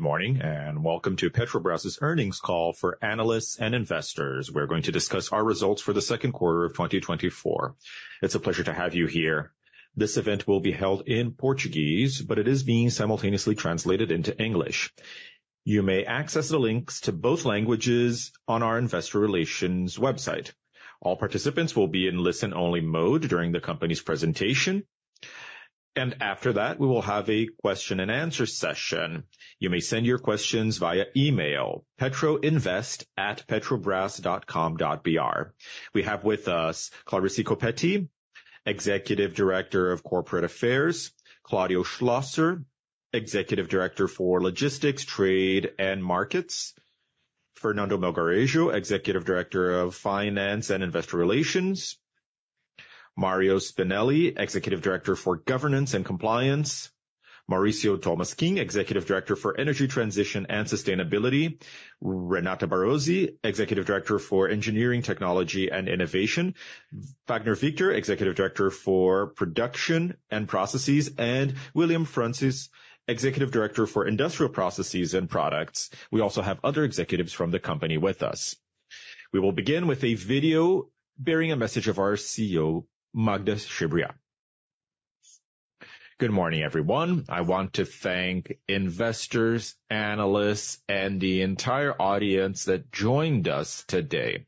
Good morning, and welcome to Petrobras' earnings call for analysts and investors. We're going to discuss our results for the second quarter of 2024. It's a pleasure to have you here. This event will be held in Portuguese, but it is being simultaneously translated into English. You may access the links to both languages on our investor relations website. All participants will be in listen-only mode during the company's presentation, and after that, we will have a question-and-answer session. You may send your questions via email, petroinvest@petrobras.com.br. We have with us Clarice Coppetti, Executive Director of Corporate Affairs, Cláudio Schlosser, Executive Director for Logistics, Trade, and Markets, Fernando Melgarejo, Executive Director of Finance and Investor Relations, Mário Spinelli, Executive Director for Governance and Compliance, Maurício Tolmasquim, Executive Director for Energy Transition and Sustainability, Renata Baruzzi, Executive Director for Engineering, Technology, and Innovation, Wagner Victer, Executive Director for Production and Processes, and William França, Executive Director for Industrial Processes and Products. We also have other executives from the company with us. We will begin with a video bearing a message of our CEO, Magda Chambriard. Good morning, everyone. I want to thank investors, analysts, and the entire audience that joined us today.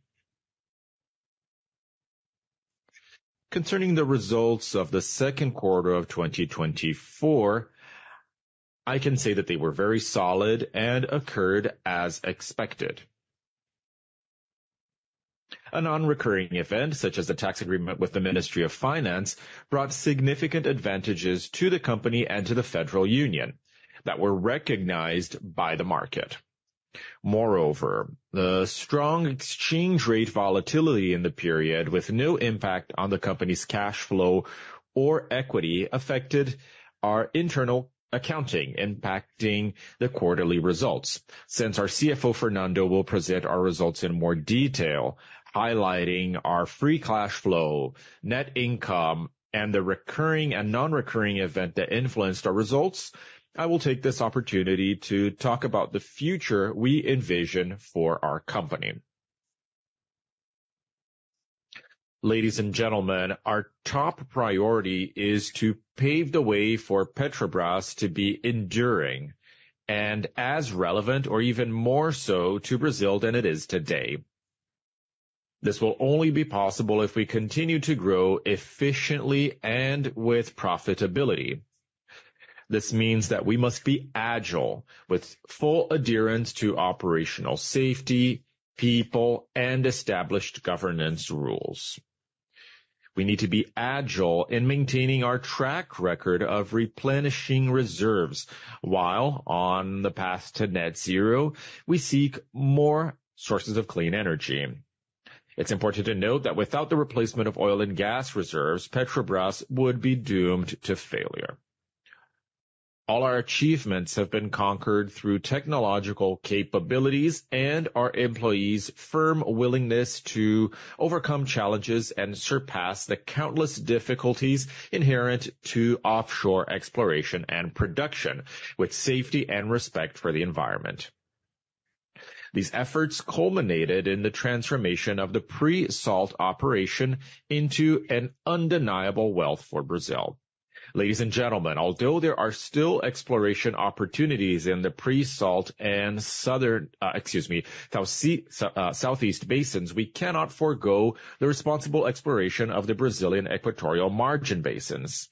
Concerning the results of the second quarter of 2024, I can say that they were very solid and occurred as expected. A non-recurring event, such as the tax agreement with the Ministry of Finance, brought significant advantages to the company and to the Federal Union that were recognized by the market. Moreover, the strong exchange rate volatility in the period, with no impact on the company's cash flow or equity, affected our internal accounting, impacting the quarterly results. Since our CFO, Fernando, will present our results in more detail, highlighting our free cash flow, net income, and the recurring and non-recurring event that influenced our results, I will take this opportunity to talk about the future we envision for our company. Ladies and gentlemen, our top priority is to pave the way for Petrobras to be enduring and as relevant, or even more so, to Brazil than it is today. This will only be possible if we continue to grow efficiently and with profitability. This means that we must be agile, with full adherence to operational safety, people, and established governance rules. We need to be agile in maintaining our track record of replenishing reserves, while on the path to net zero, we seek more sources of clean energy. It's important to note that without the replacement of oil and gas reserves, Petrobras would be doomed to failure. All our achievements have been conquered through technological capabilities and our employees' firm willingness to overcome challenges and surpass the countless difficulties inherent to offshore exploration and production, with safety and respect for the environment. These efforts culminated in the transformation of the pre-salt operation into an undeniable wealth for Brazil. Ladies and gentlemen, although there are still exploration opportunities in the pre-salt and southeast basins, we cannot forgo the responsible exploration of the Brazilian Equatorial Margin basins.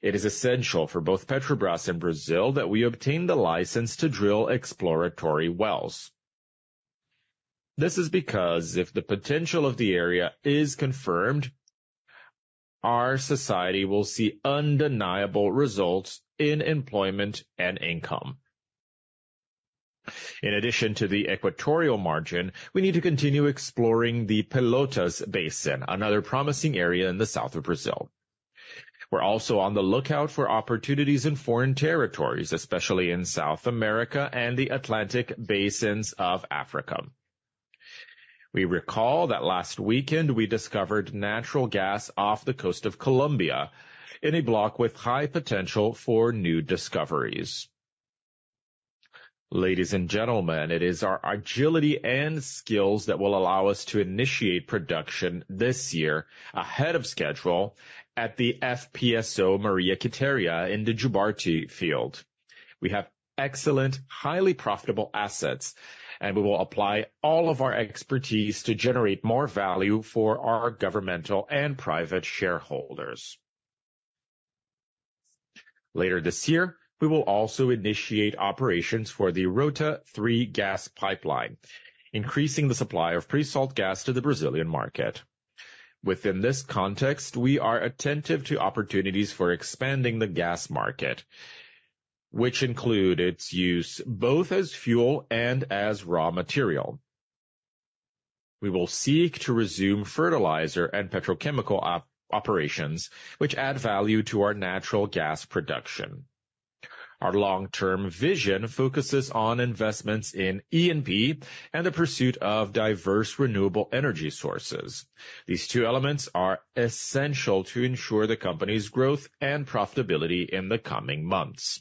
It is essential for both Petrobras and Brazil that we obtain the license to drill exploratory wells. This is because if the potential of the area is confirmed, our society will see undeniable results in employment and income. In addition to the Equatorial Margin, we need to continue exploring the Pelotas Basin, another promising area in the south of Brazil. We're also on the lookout for opportunities in foreign territories, especially in South America and the Atlantic Basins of Africa. We recall that last weekend, we discovered natural gas off the coast of Colombia in a block with high potential for new discoveries. Ladies and gentlemen, it is our agility and skills that will allow us to initiate production this year ahead of schedule at the FPSO Maria Quitéria in the Jubarte Field. We have excellent, highly profitable assets, and we will apply all of our expertise to generate more value for our governmental and private shareholders. Later this year, we will also initiate operations for the Rota 3 gas pipeline, increasing the supply of pre-salt gas to the Brazilian market. Within this context, we are attentive to opportunities for expanding the gas market, which include its use both as fuel and as raw material. We will seek to resume fertilizer and petrochemical operations, which add value to our natural gas production. Our long-term vision focuses on investments in E&P and the pursuit of diverse, renewable energy sources. These two elements are essential to ensure the company's growth and profitability in the coming months.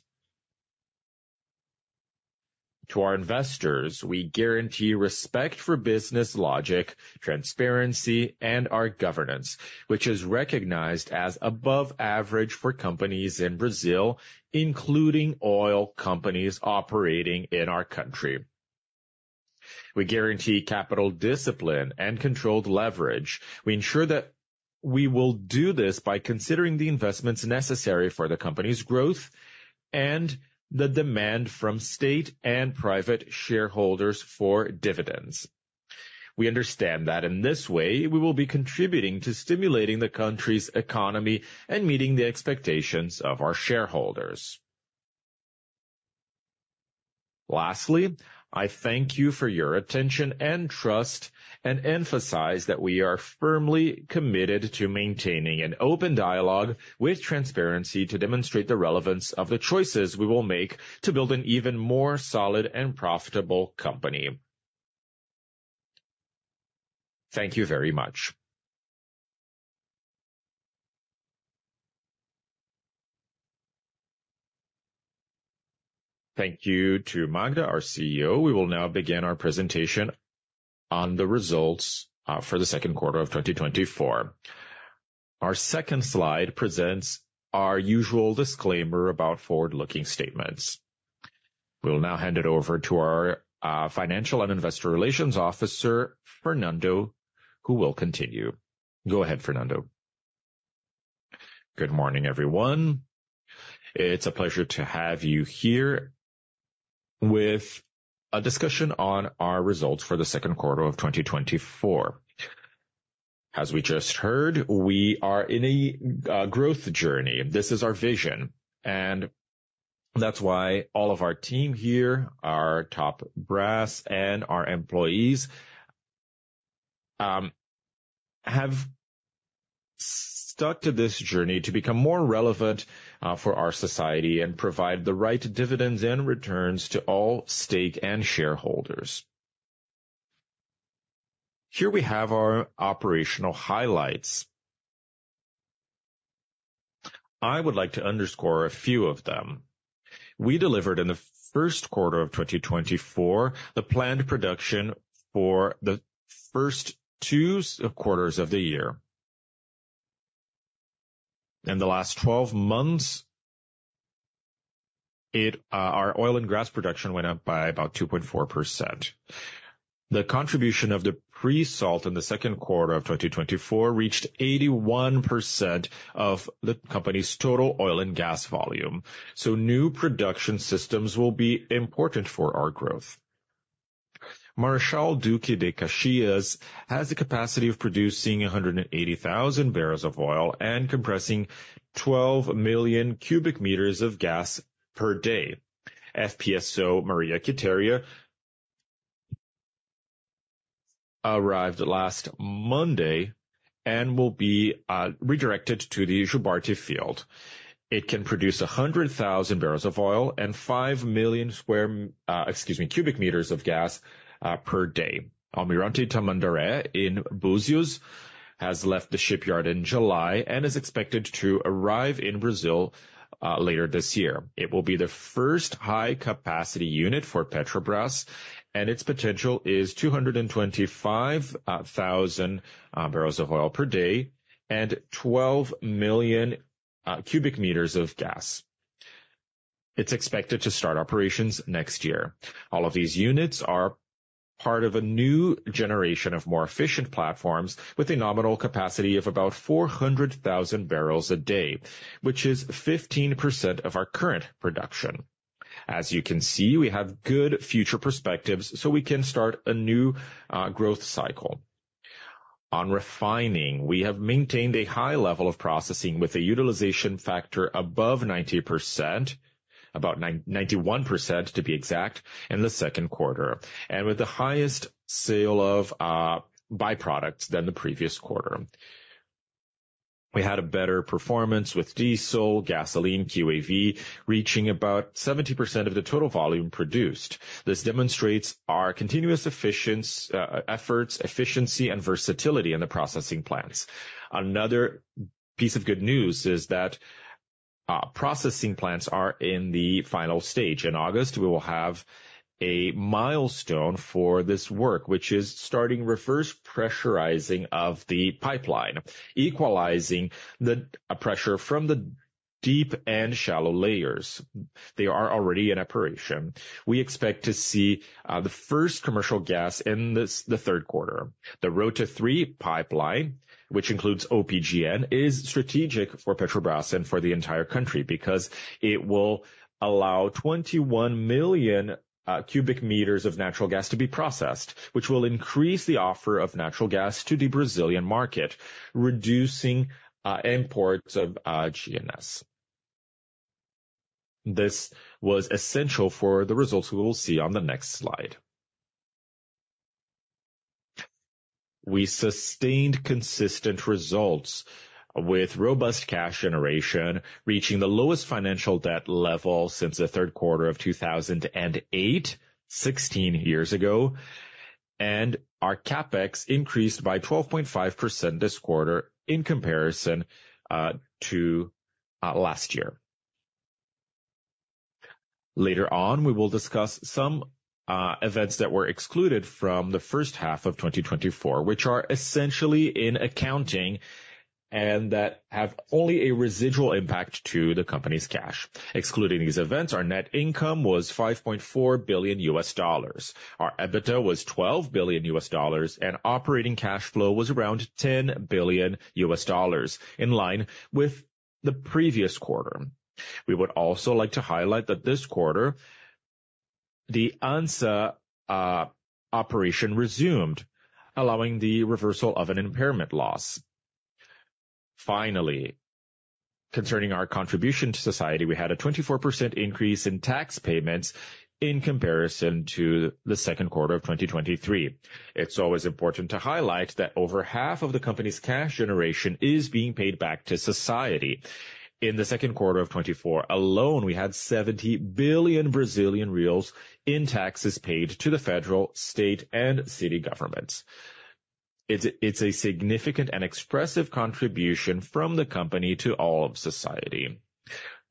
To our investors, we guarantee respect for business logic, transparency, and our governance, which is recognized as above average for companies in Brazil, including oil companies operating in our country. We guarantee capital discipline and controlled leverage. We ensure that we will do this by considering the investments necessary for the company's growth and the demand from state and private shareholders for dividends. We understand that in this way, we will be contributing to stimulating the country's economy and meeting the expectations of our shareholders. Lastly, I thank you for your attention and trust, and emphasize that we are firmly committed to maintaining an open dialogue with transparency to demonstrate the relevance of the choices we will make to build an even more solid and profitable company. Thank you very much. Thank you to Magda, our CEO. We will now begin our presentation on the results for the second quarter of 2024. Our second slide presents our usual disclaimer about forward-looking statements. We'll now hand it over to our financial and investor relations officer, Fernando, who will continue. Go ahead, Fernando. Good morning, everyone. It's a pleasure to have you here with a discussion on our results for the second quarter of 2024. As we just heard, we are in a growth journey. This is our vision, and that's why all of our team here, our top brass and our employees have stuck to this journey to become more relevant for our society and provide the right dividends and returns to all stake and shareholders. Here we have our operational highlights. I would like to underscore a few of them. We delivered in the first quarter of 2024, the planned production for the first two quarters of the year. In the last 12 months, it, our oil and gas production went up by about 2.4%. The contribution of the pre-salt in the second quarter of 2024 reached 81% of the company's total oil and gas volume, so new production systems will be important for our growth. Marechal Duque de Caxias has the capacity of producing 180,000 barrels of oil and compressing 12 million cubic meters of gas per day. FPSO Maria Quitéria arrived last Monday and will be redirected to the Jubarte Field. It can produce 100,000 barrels of oil and 5 million square, excuse me, cubic meters of gas, per day. Almirante Tamandaré in Búzios has left the shipyard in July and is expected to arrive in Brazil, later this year. It will be the first high-capacity unit for Petrobras, and its potential is 225,000 barrels of oil per day and 12 million cubic meters of gas. It's expected to start operations next year. All of these units are part of a new generation of more efficient platforms with a nominal capacity of about 400,000 barrels a day, which is 15% of our current production. As you can see, we have good future perspectives, so we can start a new, growth cycle. On refining, we have maintained a high level of processing with a utilization factor above 90%, about 91%, to be exact, in the second quarter, and with the highest sale of byproducts than the previous quarter. We had a better performance with diesel, gasoline, QAV, reaching about 70% of the total volume produced. This demonstrates our continuous efficiency efforts, efficiency, and versatility in the processing plants. Another piece of good news is that processing plants are in the final stage. In August, we will have a milestone for this work, which is starting reverse pressurizing of the pipeline, equalizing the pressure from the deep and shallow layers. They are already in operation. We expect to see the first commercial gas in this, the third quarter. The Rota 3 pipeline, which includes UPGN, is strategic for Petrobras and for the entire country because it will allow 21 million cubic meters of natural gas to be processed, which will increase the offer of natural gas to the Brazilian market, reducing imports of LNG. This was essential for the results we will see on the next slide. We sustained consistent results with robust cash generation, reaching the lowest financial debt level since the third quarter of 2008, 16 years ago. Our CapEx increased by 12.5% this quarter in comparison to last year. Later on, we will discuss some events that were excluded from the first half of 2024, which are essentially in accounting, and that have only a residual impact to the company's cash. Excluding these events, our net income was $5.4 billion. Our EBITDA was $12 billion, and operating cash flow was around $10 billion, in line with the previous quarter. We would also like to highlight that this quarter, the ANSA operation resumed, allowing the reversal of an impairment loss. Finally, concerning our contribution to society, we had a 24% increase in tax payments in comparison to the second quarter of 2023. It's always important to highlight that over half of the company's cash generation is being paid back to society. In the second quarter of 2024 alone, we had 70 billion Brazilian reais in taxes paid to the federal, state, and city governments. It's a significant and expressive contribution from the company to all of society.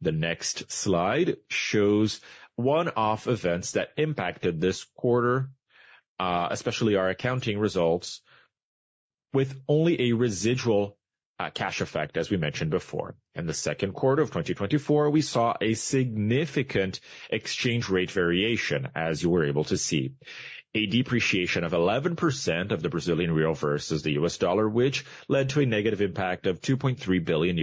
The next slide shows one-off events that impacted this quarter, especially our accounting results, with only a residual, cash effect, as we mentioned before. In the second quarter of 2024, we saw a significant exchange rate variation, as you were able to see. A depreciation of 11% of the Brazilian real versus the U.S. dollar, which led to a negative impact of $2.3 billion.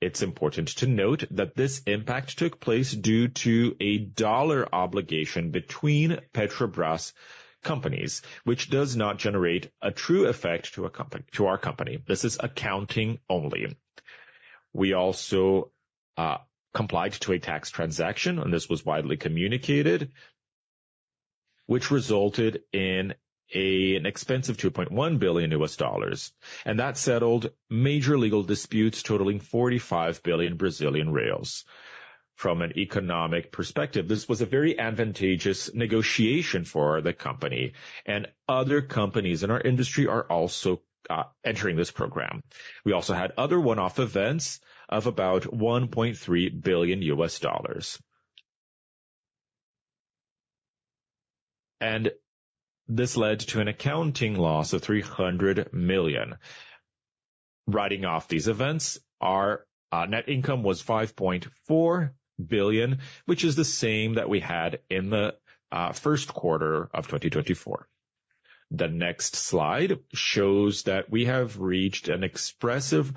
It's important to note that this impact took place due to a dollar obligation between Petrobras companies, which does not generate a true effect to our company. This is accounting only. We also complied to a tax transaction, and this was widely communicated, which resulted in an expense of $2.1 billion, and that settled major legal disputes totaling 45 billion Brazilian reais. From an economic perspective, this was a very advantageous negotiation for the company, and other companies in our industry are also entering this program. We also had other one-off events of about $1.3 billion. And this led to an accounting loss of $300 million. Writing off these events, our net income was $5.4 billion, which is the same that we had in the first quarter of 2024. The next slide shows that we have reached an expressive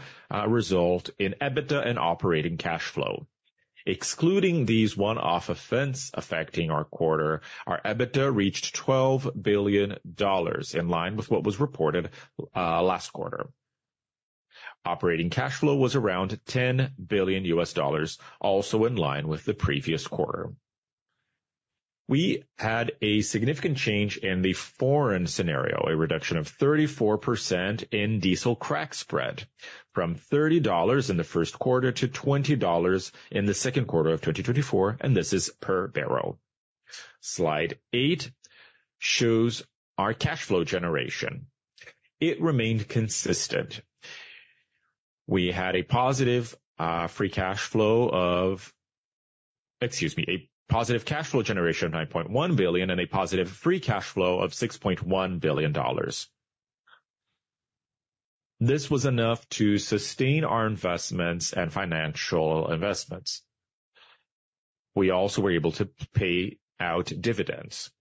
result in EBITDA and operating cash flow. Excluding these one-off events affecting our quarter, our EBITDA reached $12 billion, in line with what was reported last quarter. Operating cash flow was around $10 billion, also in line with the previous quarter. We had a significant change in the foreign scenario, a reduction of 34% in diesel crack spread, from $30 in the first quarter to $20 in the second quarter of 2024, and this is per barrel. Slide 8 shows our cash flow generation. It remained consistent. We had a positive, excuse me, positive cash flow generation of $9.1 billion and a positive free cash flow of $6.1 billion. This was enough to sustain our investments and financial investments. We also were able to pay out dividends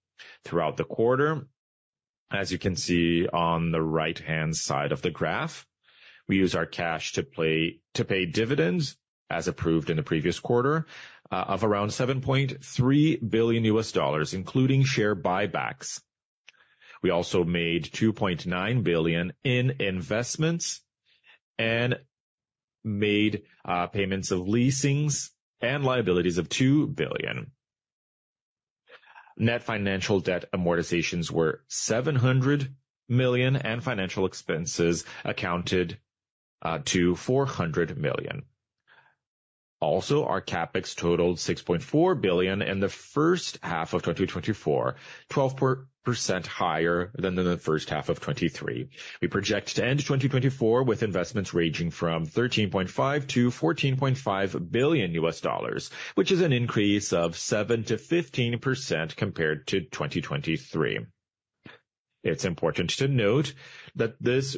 throughout the quarter. As you can see on the right-hand side of the graph, we use our cash to play, to pay dividends, as approved in the previous quarter, of around $7.3 billion, including share buybacks. We also made $2.9 billion in investments and made payments of leasings and liabilities of $2 billion. Net financial debt amortizations were $700 million, and financial expenses accounted to $400 million. Also, our CapEx totaled $6.4 billion in the first half of 2024, 12% higher than the first half of 2023. We project to end 2024 with investments ranging from $13.5 billion-$14.5 billion, which is an increase of 7%-15% compared to 2023. It's important to note that this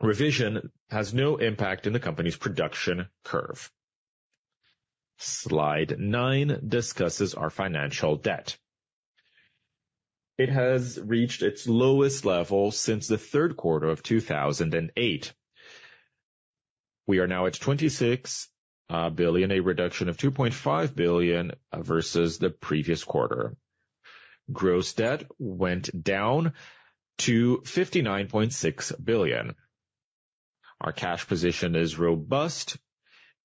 revision has no impact in the company's production curve. Slide nine discusses our financial debt. It has reached its lowest level since the third quarter of 2008. We are now at 26 billion, a reduction of 2.5 billion versus the previous quarter. Gross debt went down to 59.6 billion. Our cash position is robust,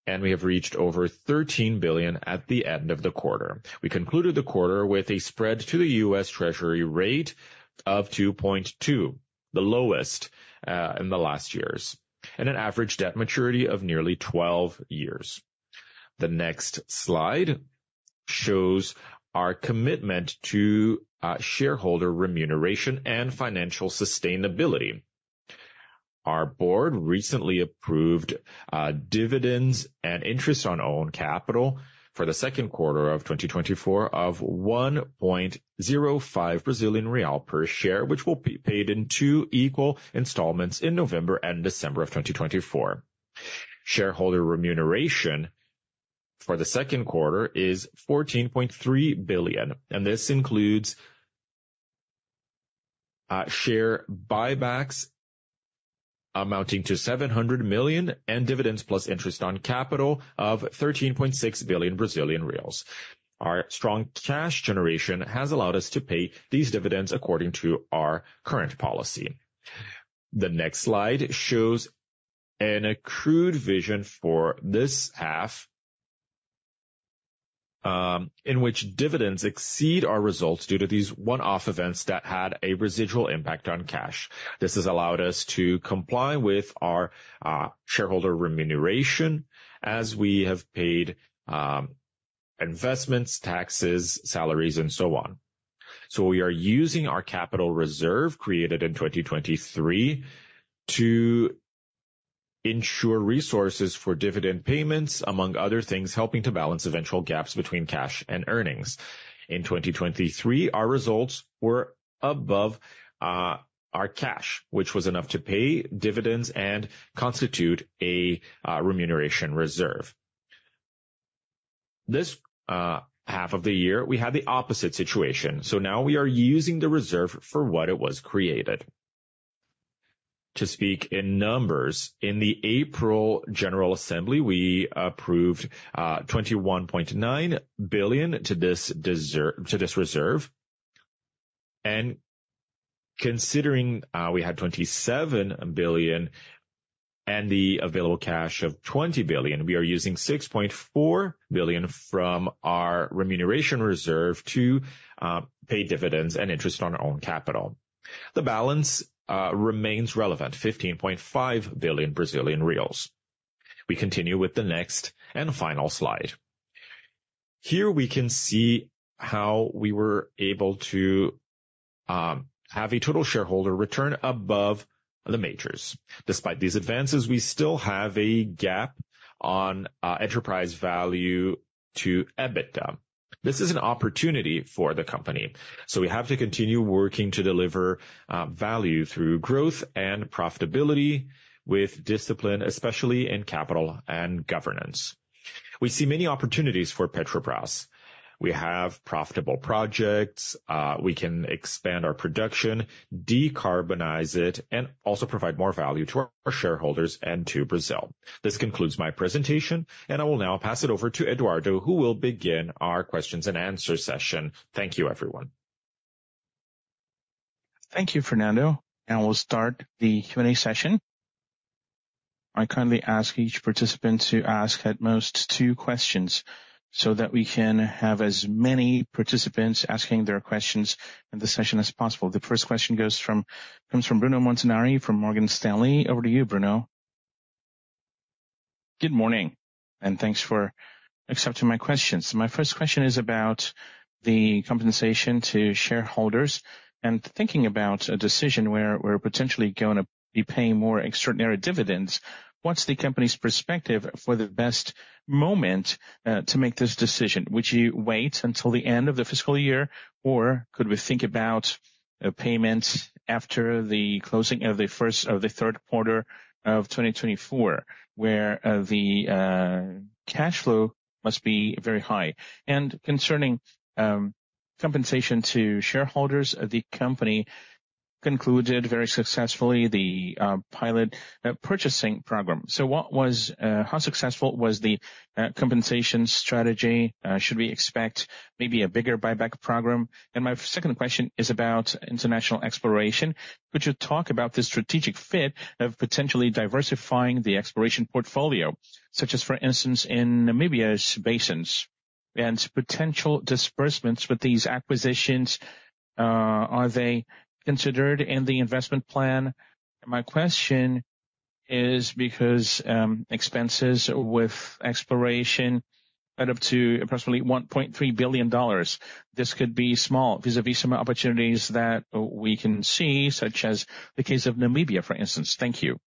and we have reached over 13 billion at the end of the quarter. We concluded the quarter with a spread to the U.S. Treasury rate of 2.2%. The lowest in the last years, and an average debt maturity of nearly 12 years. The next slide shows our commitment to shareholder remuneration and financial sustainability. Our board recently approved dividends and interest on own capital for the second quarter of 2024 of 1.05 Brazilian real per share, which will be paid in two equal installments in November and December of 2024. Shareholder remuneration for the second quarter is 14.3 billion, and this includes share buybacks amounting to 700 million, and dividends plus interest on capital of 13.6 billion Brazilian reais. Our strong cash generation has allowed us to pay these dividends according to our current policy. The next slide shows an accrued vision for this half, in which dividends exceed our results due to these one-off events that had a residual impact on cash. This has allowed us to comply with our shareholder remuneration as we have paid investments, taxes, salaries, and so on. So we are using our capital reserve, created in 2023, to ensure resources for dividend payments, among other things, helping to balance eventual gaps between cash and earnings. In 2023, our results were above our cash, which was enough to pay dividends and constitute a remuneration reserve. This half of the year, we had the opposite situation, so now we are using the reserve for what it was created. To speak in numbers, in the April general assembly, we approved 21.9 billion to this reserve. And considering we had 27 billion and the available cash of 20 billion, we are using 6.4 billion from our remuneration reserve to pay dividends and interest on our own capital. The balance remains relevant, 15.5 billion Brazilian reais. We continue with the next and final slide. Here we can see how we were able to have a total shareholder return above the majors. Despite these advances, we still have a gap on enterprise value to EBITDA. This is an opportunity for the company, so we have to continue working to deliver value through growth and profitability with discipline, especially in capital and governance. We see many opportunities for Petrobras. We have profitable projects, we can expand our production, decarbonize it, and also provide more value to our shareholders and to Brazil. This concludes my presentation, and I will now pass it over to Eduardo, who will begin our questions and answer session. Thank you, everyone. Thank you, Fernando, and we'll start the Q&A session. I kindly ask each participant to ask at most two questions, so that we can have as many participants asking their questions in the session as possible. The first question comes from Bruno Montanari from Morgan Stanley. Over to you, Bruno. Good morning, and thanks for accepting my questions. My first question is about the compensation to shareholders, and thinking about a decision where we're potentially gonna be paying more extraordinary dividends, what's the company's perspective for the best moment to make this decision? Would you wait until the end of the fiscal year, or could we think about a payment after the closing of the first or the third quarter of 2024, where the cash flow must be very high? Concerning compensation to shareholders, the company concluded very successfully the pilot purchasing program. So, how successful was the compensation strategy? Should we expect maybe a bigger buyback program? And my second question is about international exploration. Could you talk about the strategic fit of potentially diversifying the exploration portfolio, such as, for instance, in Namibia's basins, and potential disbursements with these acquisitions, are they considered in the investment plan? My question is because expenses with exploration add up to approximately $1.3 billion. This could be small, vis-a-vis some opportunities that we can see, such as the case of Namibia, for instance. Thank you.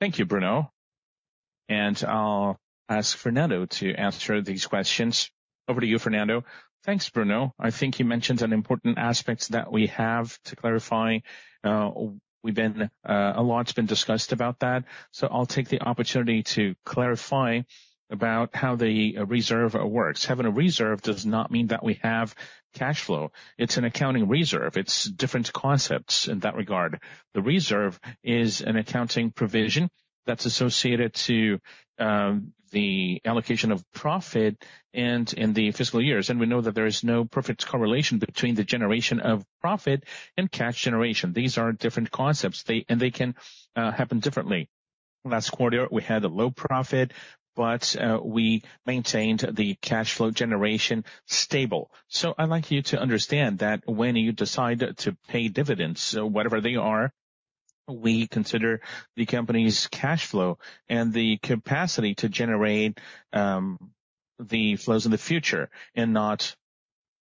Thank you, Bruno, and I'll ask Fernando to answer these questions. Over to you, Fernando. Thanks, Bruno. I think you mentioned an important aspect that we have to clarify. A lot's been discussed about that, so I'll take the opportunity to clarify about how the reserve works. Having a reserve does not mean that we have cash flow. It's an accounting reserve. It's different concepts in that regard. The reserve is an accounting provision that's associated to the allocation of profit and in the fiscal years, and we know that there is no perfect correlation between the generation of profit and cash generation. These are different concepts, they, and they can happen differently. Last quarter, we had a low profit, but we maintained the cash flow generation stable. So I'd like you to understand that when you decide to pay dividends, so whatever they are, we consider the company's cash flow and the capacity to generate the flows in the future and not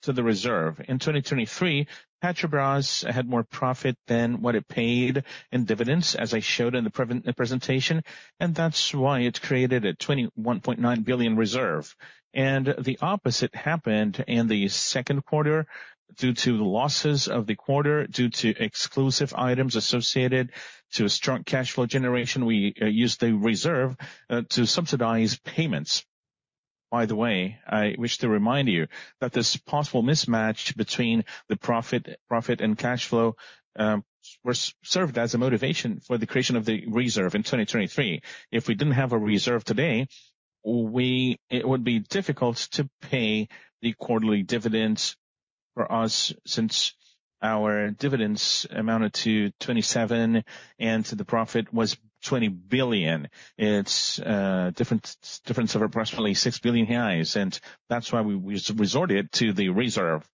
to the reserve. In 2023, Petrobras had more profit than what it paid in dividends, as I showed in the presentation, and that's why it created a $21.9 billion reserve. The opposite happened in the second quarter due to the losses of the quarter, due to exclusive items associated to a strong cash flow generation, we used the reserve to subsidize payments. By the way, I wish to remind you that this possible mismatch between the profit and cash flow served as a motivation for the creation of the reserve in 2023. If we didn't have a reserve today, it would be difficult to pay the quarterly dividends for us, since our dividends amounted to 27 billion, and the profit was 20 billion. It's a difference of approximately 6 billion reais, and that's why we resorted to the reserve.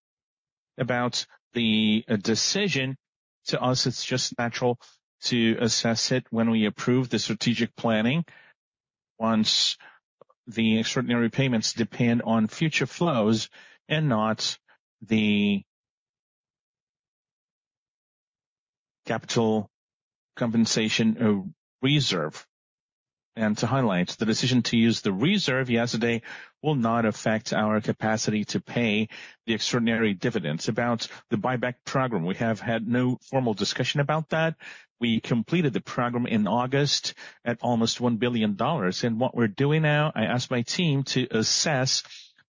About the decision, to us, it's just natural to assess it when we approve the strategic planning, once the extraordinary payments depend on future flows and not the capital compensation reserve. And to highlight, the decision to use the reserve yesterday will not affect our capacity to pay the extraordinary dividends. About the buyback program, we have had no formal discussion about that. We completed the program in August at almost $1 billion. What we're doing now, I asked my team to assess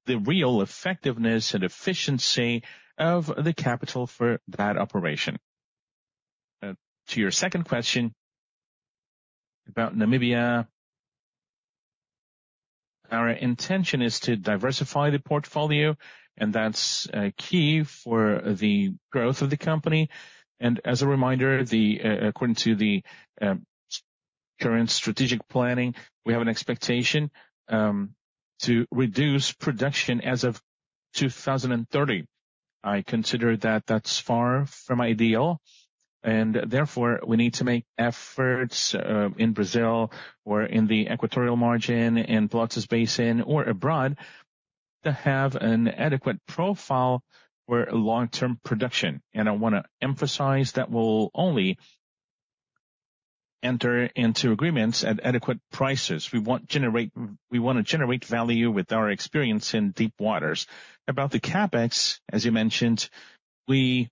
the real effectiveness and efficiency of the capital for that operation. To your second question, about Namibia, our intention is to diversify the portfolio, and that's key for the growth of the company. And as a reminder, according to the current strategic planning, we have an expectation to reduce production as of 2030. I consider that that's far from ideal, and therefore, we need to make efforts in Brazil or in the Equatorial Margin, in Pelotas Basin or abroad, to have an adequate profile for long-term production. And I want to emphasize that we'll only enter into agreements at adequate prices. We want generate- We want to generate value with our experience in deep waters. About the CapEx, as you mentioned, we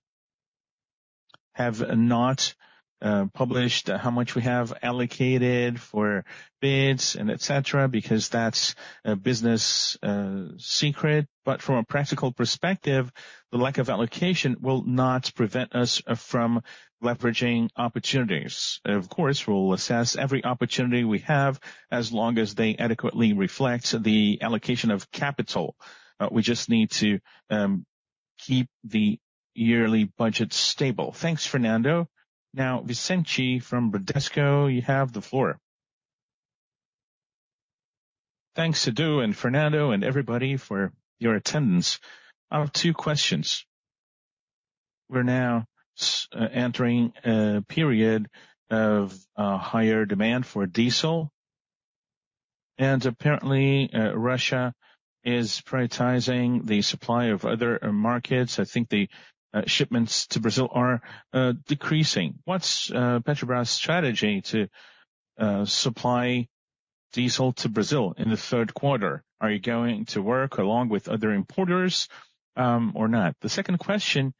have not published how much we have allocated for bids and et cetera, because that's a business secret. But from a practical perspective, the lack of allocation will not prevent us from leveraging opportunities. Of course, we'll assess every opportunity we have, as long as they adequately reflect the allocation of capital. We just need to keep the yearly budget stable. Thanks, Fernando. Now, Vicente, from Bradesco, you have the floor. Thanks Sylvia and Fernando and everybody for your attendance. I have two questions. We're now entering a period of higher demand for diesel, and apparently, Russia is prioritizing the supply of other markets. I think the shipments to Brazil are decreasing. What's Petrobras' strategy to supply diesel to Brazil in the third quarter? Are you going to work along with other importers, or not? The second question,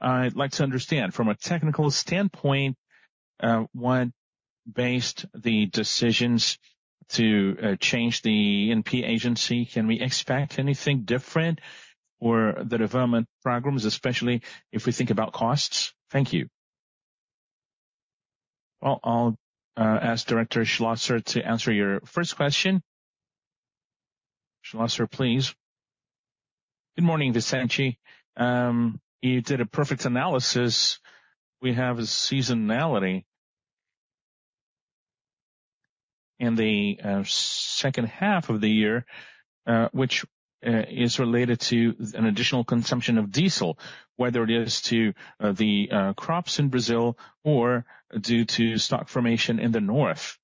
I'd like to understand, from a technical standpoint, what based the decisions to change the ANP agency, can we expect anything different or the development programs, especially if we think about costs? Thank you. Well, I'll ask Director Schlosser to answer your first question. Schlosser, please. Good morning, Vicente. You did a perfect analysis. We have a seasonality in the second half of the year, which is related to an additional consumption of diesel, whether it is to the crops in Brazil or due to stock formation in the north.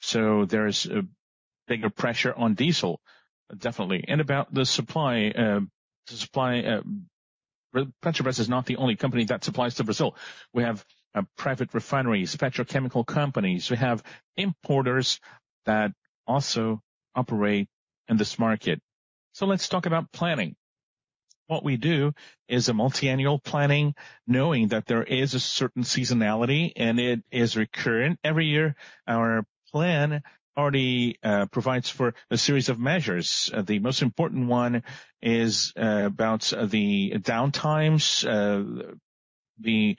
So there is a bigger pressure on diesel, definitely. And about the supply, the supply, Petrobras is not the only company that supplies to Brazil. We have private refineries, petrochemical companies. We have importers that also operate in this market. So let's talk about planning. What we do is a multi-annual planning, knowing that there is a certain seasonality, and it is recurrent. Every year, our plan already provides for a series of measures. The most important one is about the downtimes, the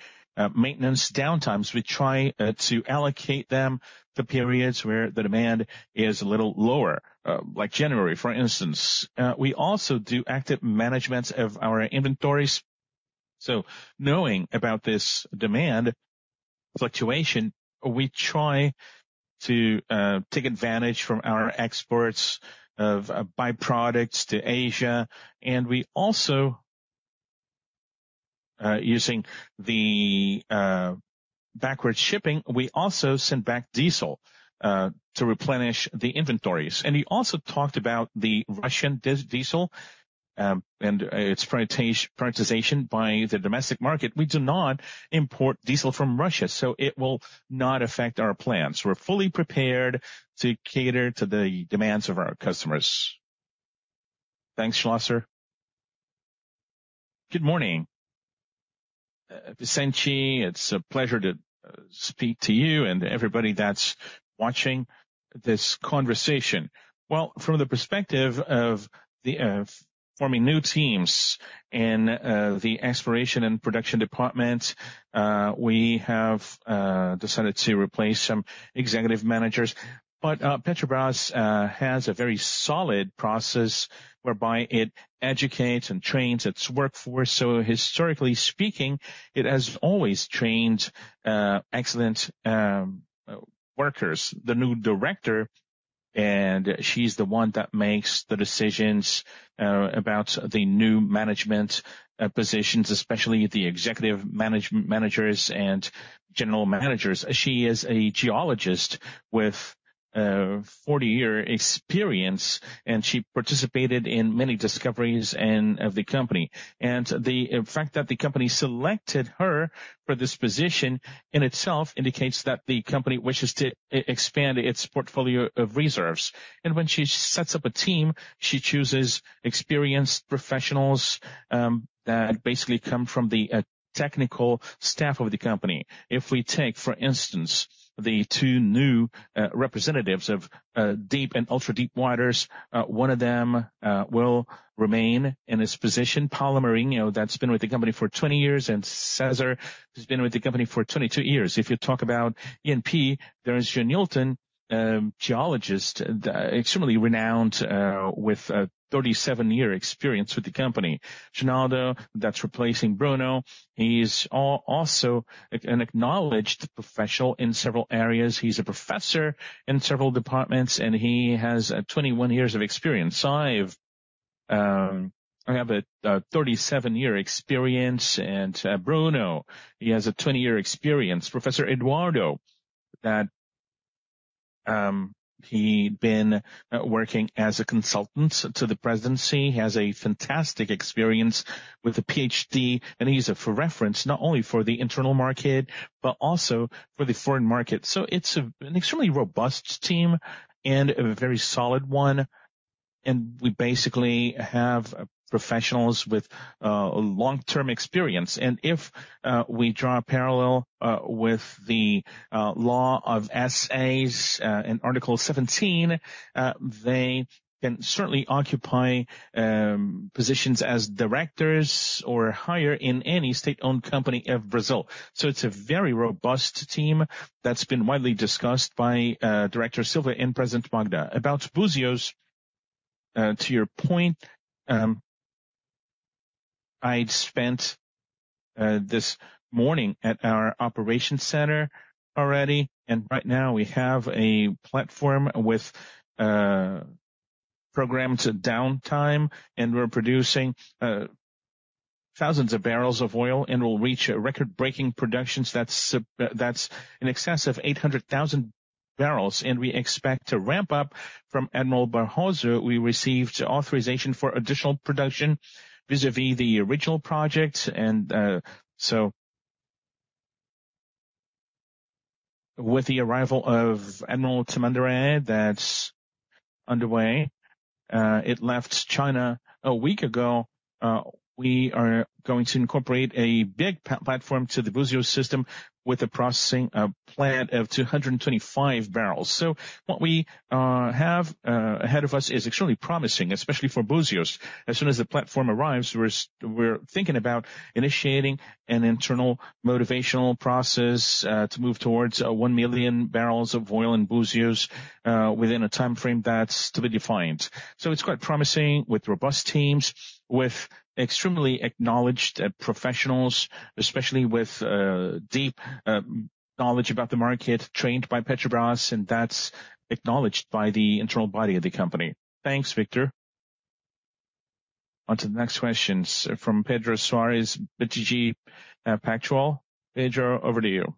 maintenance downtimes. We try to allocate them the periods where the demand is a little lower, like January, for instance. We also do active management of our inventories. So knowing about this demand fluctuation, we try to take advantage from our exports of byproducts to Asia, and we also, using the backward shipping, we also send back diesel to replenish the inventories. And you also talked about the Russian diesel and its prioritization by the domestic market. We do not import diesel from Russia, so it will not affect our plans. We're fully prepared to cater to the demands of our customers. Thanks, Schlosser. Good morning, Vicente, it's a pleasure to speak to you and everybody that's watching this conversation. Well, from the perspective of the forming new teams in the exploration and production department, we have decided to replace some executive managers. But Petrobras has a very solid process whereby it educates and trains its workforce. So historically speaking, it has always trained excellent workers. The new director, and she's the one that makes the decisions about the new management positions, especially the executive managers and general managers. She is a geologist with 40-year experience, and she participated in many discoveries and, of the company. And the fact that the company selected her for this position, in itself indicates that the company wishes to expand its portfolio of reserves. And when she sets up a team, she chooses experienced professionals that basically come from the technical staff of the company. If we take, for instance, the two new representatives of deep and ultra-deep waters, one of them will remain in his position, Palmerino, that's been with the company for 20 years, and Cesar, who's been with the company for 22 years. If you talk about ENP, there is Jonilton, geologist, extremely renowned, with 37-year experience with the company. Jonaldo, that's replacing Bruno, he's also an acknowledged professional in several areas. He's a professor in several departments, and he has 21 years of experience. Sylvia, I have a 37-year experience, and Bruno, he has a 20-year experience. Professor Eduardo, that he'd been working as a consultant to the presidency, has a fantastic experience with a PhD, and he's a for reference, not only for the internal market, but also for the foreign market. So it's an extremely robust team and a very solid one, and we basically have professionals with long-term experience. And if we draw a parallel with the law of SAs in Article 17, they can certainly occupy positions as directors or higher in any state-owned company of Brazil. So it's a very robust team that's been widely discussed by Director Sylvia and President Magda. About Búzios, to your point, I'd spent this morning at our operations center already, and right now we have a platform with programmed downtime, and we're producing thousands of barrels of oil, and we'll reach a record-breaking productions that's in excess of 800,000 barrels, and we expect to ramp up. From Almirante Barroso, we received authorization for additional production vis-à-vis the original project. So with the arrival of Almirante Tamandaré, that's underway, it left China a week ago, we are going to incorporate a big platform to the Búzios system with a processing plant of 225 barrels. So what we have ahead of us is extremely promising, especially for Búzios. As soon as the platform arrives, we're thinking about initiating an internal motivational process, to move towards 1 million barrels of oil in Búzios, within a time frame that's to be defined. So it's quite promising, with robust teams, with extremely acknowledged professionals, especially with deep knowledge about the market, trained by Petrobras, and that's acknowledged by the internal body of the company. Thanks, Victor. On to the next questions from Pedro Soares, BTG Pactual. Pedro, over to you.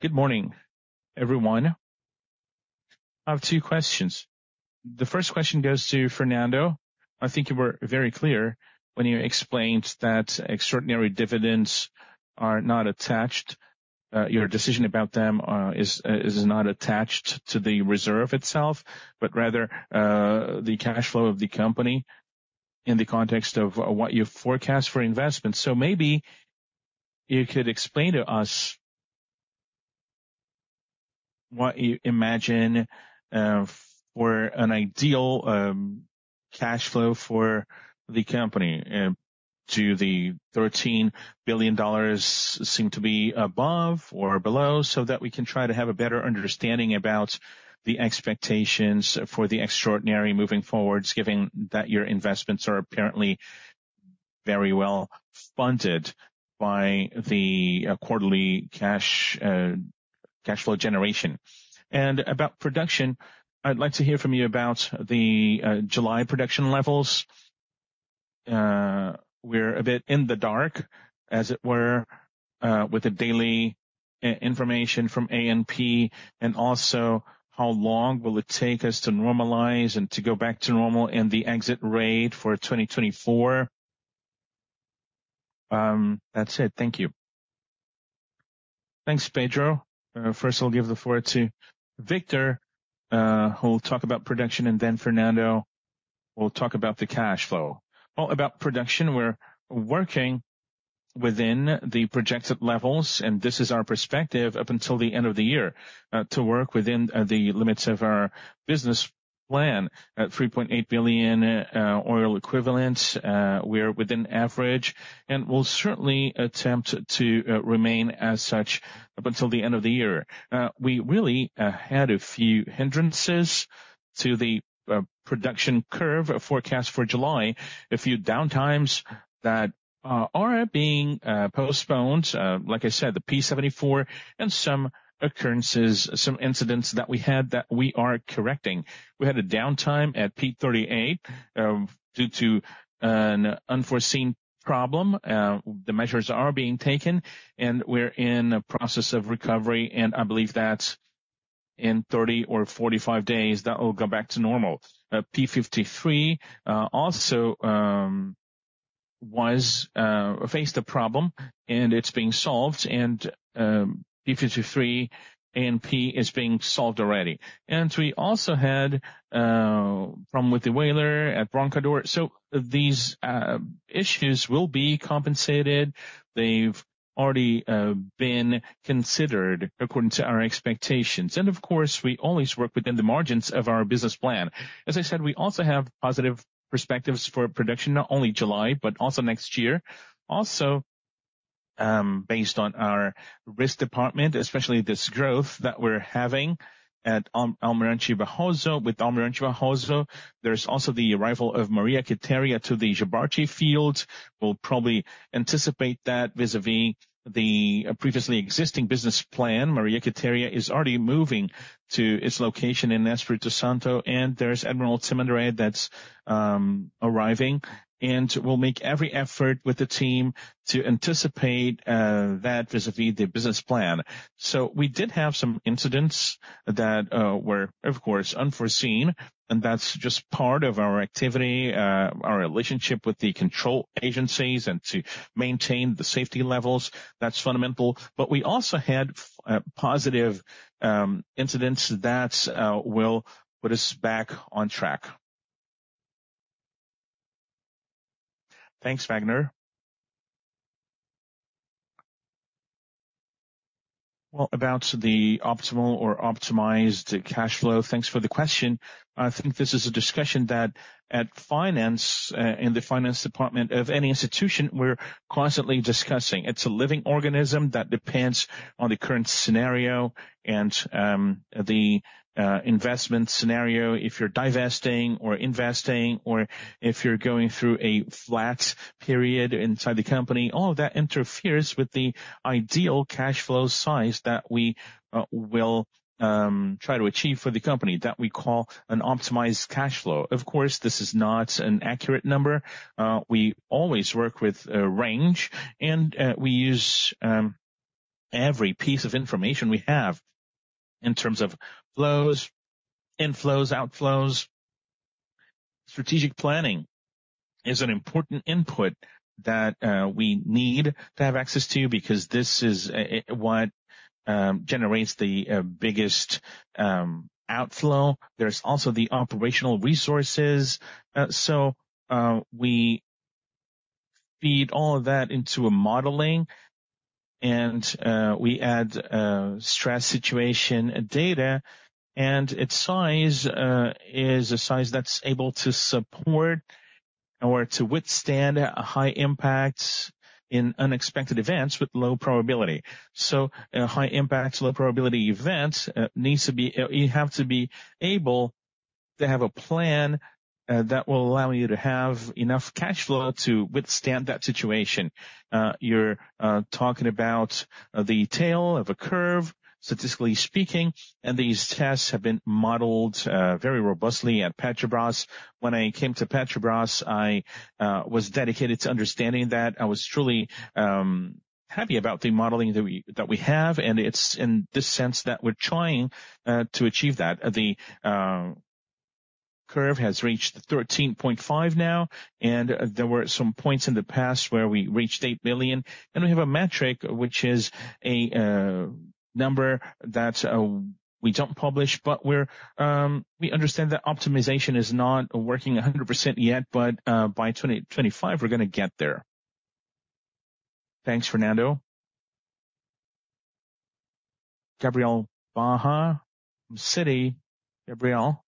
Good morning, everyone. I have two questions. The first question goes to Fernando. I think you were very clear when you explained that extraordinary dividends are not attached, your decision about them is not attached to the reserve itself, but rather, the cash flow of the company in the context of what you forecast for investment. So maybe you could explain to us what you imagine for an ideal cash flow for the company, do the $13 billion seem to be above or below? So that we can try to have a better understanding about the expectations for the extraordinary moving forwards, given that your investments are apparently very well funded by the quarterly cash cash flow generation. And about production, I'd like to hear from you about the July production levels. We're a bit in the dark, as it were, with the daily information from ANP, and also, how long will it take us to normalize and to go back to normal in the exit rate for 2024? That's it. Thank you. Thanks, Pedro. First, I'll give the floor to Victor, who will talk about production, and then Fernando will talk about the cash flow. Well, about production, we're working within the projected levels, and this is our perspective up until the end of the year, to work within the limits of our business plan. At 3.8 billion oil equivalents, we're within average, and we'll certainly attempt to remain as such up until the end of the year. We really had a few hindrances to the production curve forecast for July, a few downtimes that are being postponed. Like I said, the P-74 and some occurrences, some incidents that we had that we are correcting. We had a downtime at P-38 due to an unforeseen problem. The measures are being taken, and we're in the process of recovery, and I believe that in 30 or 45 days, that will go back to normal. P-53 also was faced a problem, and it's being solved, and P-53 ANP is being solved already. And we also had problem with the whaler at Roncador. So these issues will be compensated. They've already been considered according to our expectations, and of course, we always work within the margins of our business plan. As I said, we also have positive perspectives for production, not only July, but also next year. Also, based on our risk department, especially this growth that we're having at Almirante Barroso. With Almirante Barroso, there's also the arrival of Maria Quitéria to the Jubarte Field. We'll probably anticipate that vis-à-vis the previously existing business plan. Maria Quitéria is already moving to its location in Espírito Santo, and there's Almirante Tamandaré that's arriving, and we'll make every effort with the team to anticipate that vis-a-vis the business plan. So we did have some incidents that were, of course, unforeseen, and that's just part of our activity, our relationship with the control agencies and to maintain the safety levels. That's fundamental. But we also had positive incidents that will put us back on track. Thanks, Wagner. Well, about the optimal or optimized cash flow, thanks for the question. I think this is a discussion that at finance, in the finance department of any institution, we're constantly discussing. It's a living organism that depends on the current scenario and the investment scenario. If you're divesting or investing or if you're going through a flat period inside the company, all that interferes with the ideal cash flow size that we will try to achieve for the company, that we call an optimized cash flow. Of course, this is not an accurate number. We always work with a range, and we use every piece of information we have in terms of flows, inflows, outflows. Strategic planning is an important input that we need to have access to, because this is what generates the biggest outflow. There's also the operational resources. So we feed all of that into a modeling, and we add stress situation data, and its size is a size that's able to support or to withstand high impacts in unexpected events with low probability. A high impact, low probability event needs to be, you have to be able to have a plan that will allow you to have enough cash flow to withstand that situation. You're talking about the tail of a curve, statistically speaking, and these tests have been modeled very robustly at Petrobras. When I came to Petrobras, I was dedicated to understanding that. I was truly happy about the modeling that we have, and it's in this sense that we're trying to achieve that. The curve has reached 13.5 now, and there were some points in the past where we reached $8 billion. Then we have a metric, which is a number that we don't publish, but we understand that optimization is not working 100% yet, but by 2025, we're gonna get there. Thanks, Fernando. Gabriel Barra from Citi. Gabriel?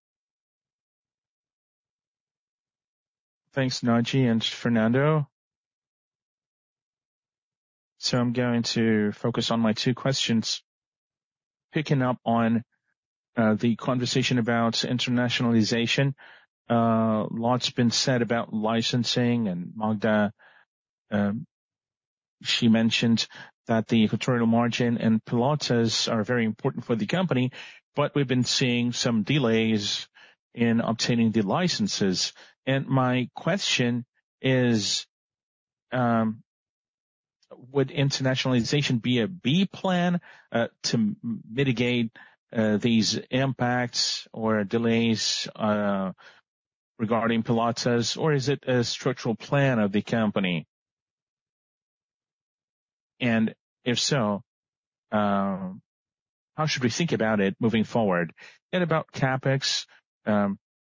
Thanks, Naji and Fernando. So I'm going to focus on my two questions. Picking up on the conversation about internationalization, lots been said about licensing, and Magda she mentioned that the Equatorial Margin and Pilões are very important for the company, but we've been seeing some delays in obtaining the licenses. My question is, would internationalization be a B plan to mitigate these impacts or delays regarding Pilões, or is it a structural plan of the company? And if so, how should we think about it moving forward? About CapEx,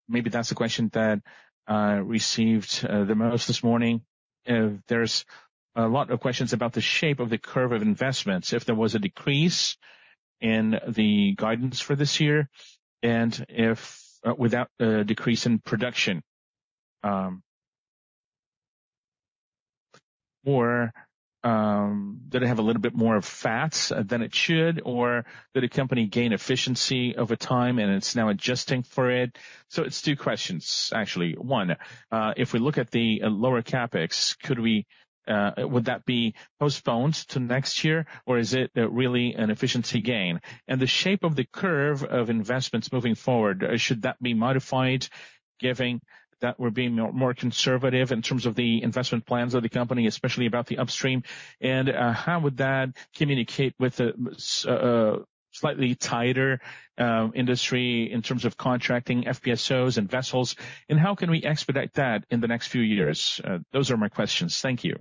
maybe that's the question that received the most this morning. There's a lot of questions about the shape of the curve of investments. If there was a decrease in the guidance for this year and if, without a decrease in production, or, did it have a little bit more fat than it should, or did the company gain efficiency over time, and it's now adjusting for it? It's two questions, actually. One, if we look at the lower CapEx, could we—would that be postponed to next year, or is it really an efficiency gain? And the shape of the curve of investments moving forward, should that be modified given that we're being more conservative in terms of the investment plans of the company, especially about the upstream? And, how would that communicate with the slightly tighter industry in terms of contracting FPSOs and vessels, and how can we expedite that in the next few years? Those are my questions. Thank you.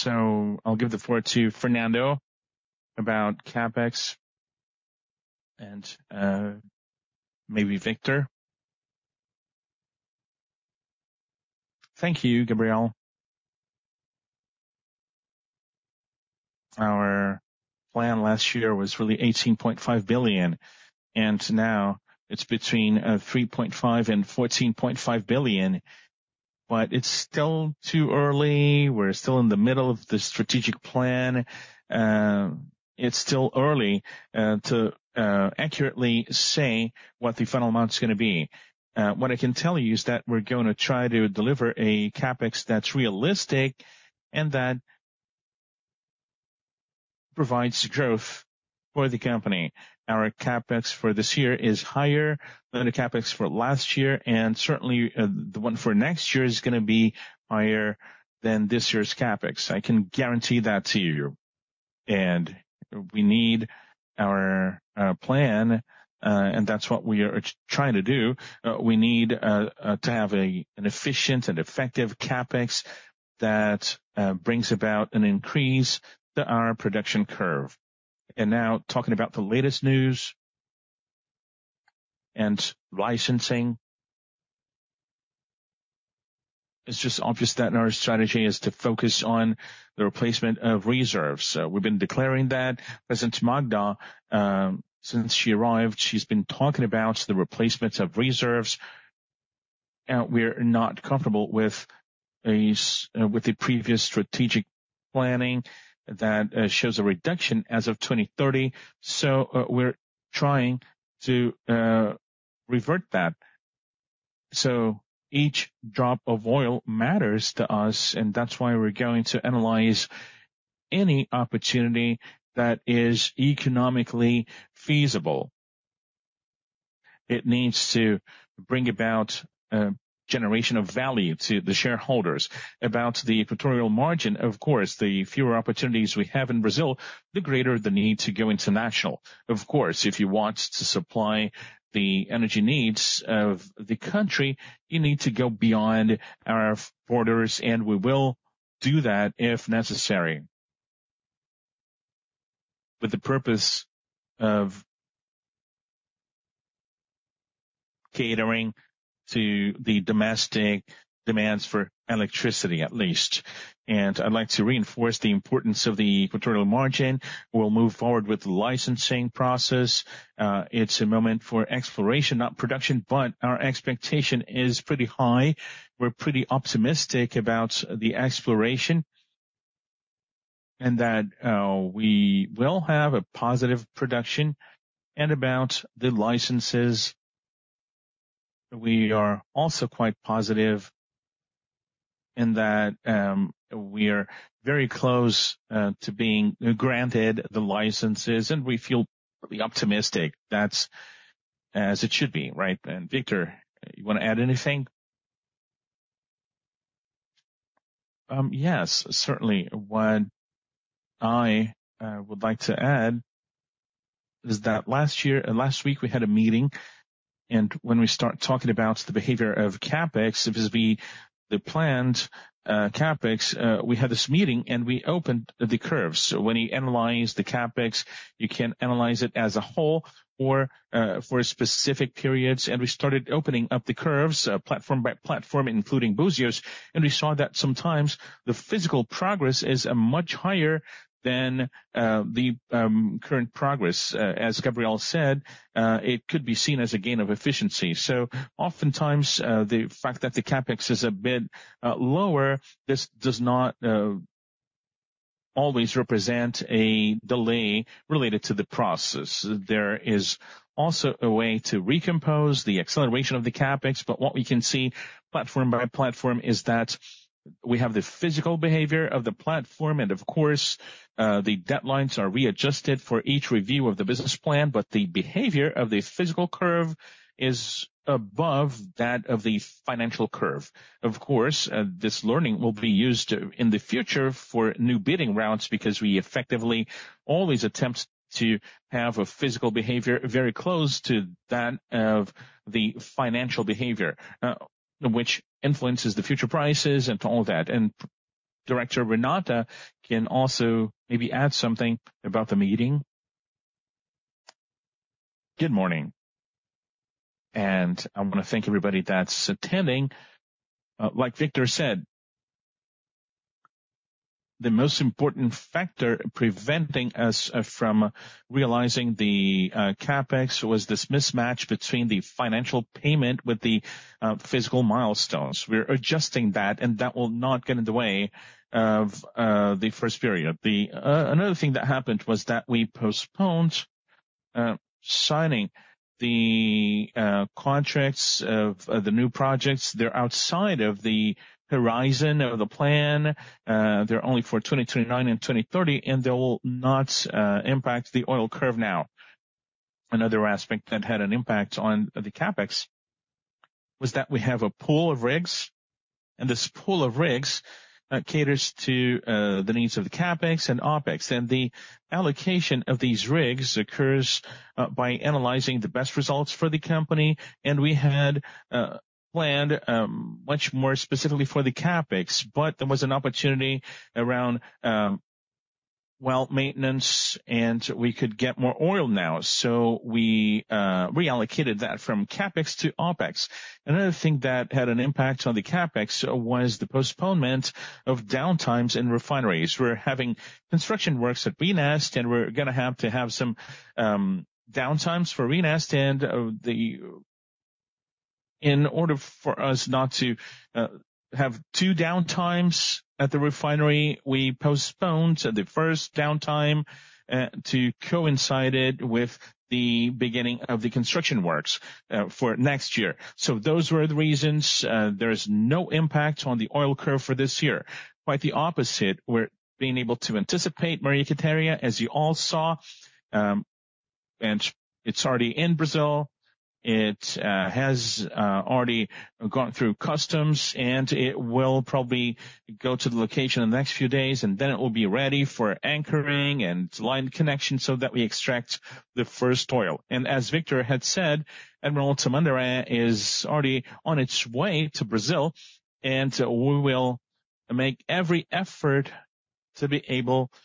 So I'll give the floor to Fernando about CapEx and, maybe Victor. Thank you, Gabriel. Our plan last year was really $18.5 billion, and now it's between $3.5 billion and $14.5 billion. But it's still too early. We're still in the middle of the strategic plan. It's still early to accurately say what the final amount is gonna be. What I can tell you is that we're gonna try to deliver a CapEx that's realistic and that provides growth for the company. Our CapEx for this year is higher than the CapEx for last year, and certainly, the one for next year is gonna be higher than this year's CapEx. I can guarantee that to you. We need our plan, and that's what we are trying to do. We need to have an efficient and effective CapEx that brings about an increase to our production curve. Now talking about the latest news and licensing, it's just obvious that our strategy is to focus on the replacement of reserves. So we've been declaring that. President Magda, since she arrived, she's been talking about the replacements of reserves, and we're not comfortable with the previous strategic planning that shows a reduction as of 2030, so we're trying to revert that. So each drop of oil matters to us, and that's why we're going to analyze any opportunity that is economically feasible. It needs to bring about a generation of value to the shareholders. About the Equatorial Margin, of course, the fewer opportunities we have in Brazil, the greater the need to go international. Of course, if you want to supply the energy needs of the country, you need to go beyond our borders, and we will do that if necessary. With the purpose of catering to the domestic demands for electricity, at least, and I'd like to reinforce the importance of the Equatorial Margin. We'll move forward with the licensing process. It's a moment for exploration, not production, but our expectation is pretty high. We're pretty optimistic about the exploration and that we will have a positive production. And about the licenses, we are also quite positive in that, we are very close to being granted the licenses, and we feel pretty optimistic. That's as it should be, right? And, Victor, you wanna add anything? Yes, certainly. What I would like to add is that last year... Last week, we had a meeting, and when we start talking about the behavior of CapEx, it was the planned CapEx, we had this meeting, and we opened the curves. So when you analyze the CapEx, you can analyze it as a whole or for specific periods. And we started opening up the curves, platform by platform, including Búzios, and we saw that sometimes the physical progress is much higher than the current progress. As Gabriel said, it could be seen as a gain of efficiency. So oftentimes, the fact that the CapEx is a bit lower, this does not always represent a delay related to the process. There is also a way to recompose the acceleration of the CapEx, but what we can see platform by platform is that we have the physical behavior of the platform, and of course, the deadlines are readjusted for each review of the business plan, but the behavior of the physical curve is above that of the financial curve. Of course, this learning will be used in the future for new bidding routes, because we effectively always attempt to have a physical behavior very close to that of the financial behavior, which influences the future prices and all that. And Director Renata can also maybe add something about the meeting. Good morning, and I wanna thank everybody that's attending. Like Victor said, the most important factor preventing us from realizing the CapEx was this mismatch between the financial payment with the physical milestones. We're adjusting that, and that will not get in the way of the first period. Another thing that happened was that we postponed signing the contracts of the new projects. They're outside of the horizon of the plan. They're only for 2029 and 2030, and they will not impact the oil curve now. Another aspect that had an impact on the CapEx was that we have a pool of rigs, and this pool of rigs caters to the needs of the CapEx and OpEx. The allocation of these rigs occurs by analyzing the best results for the company, and we had planned much more specifically for the CapEx, but there was an opportunity around well maintenance, and we could get more oil now. So we reallocated that from CapEx to OpEx. Another thing that had an impact on the CapEx was the postponement of downtimes in refineries. We're having construction works at RNEST, and we're gonna have to have some downtimes for RNEST. In order for us not to have two downtimes at the refinery, we postponed the first downtime to coincide it with the beginning of the construction works for next year. So those were the reasons. There is no impact on the oil curve for this year. Quite the opposite, we're being able to anticipate Maria Quitéria, as you all saw, and it's already in Brazil. It has already gone through customs, and it will probably go to the location in the next few days, and then it will be ready for anchoring and line connection so that we extract the first oil. And as Victor had said, Almirante Tamandaré is already on its way to Brazil, and we will make every effort to be able to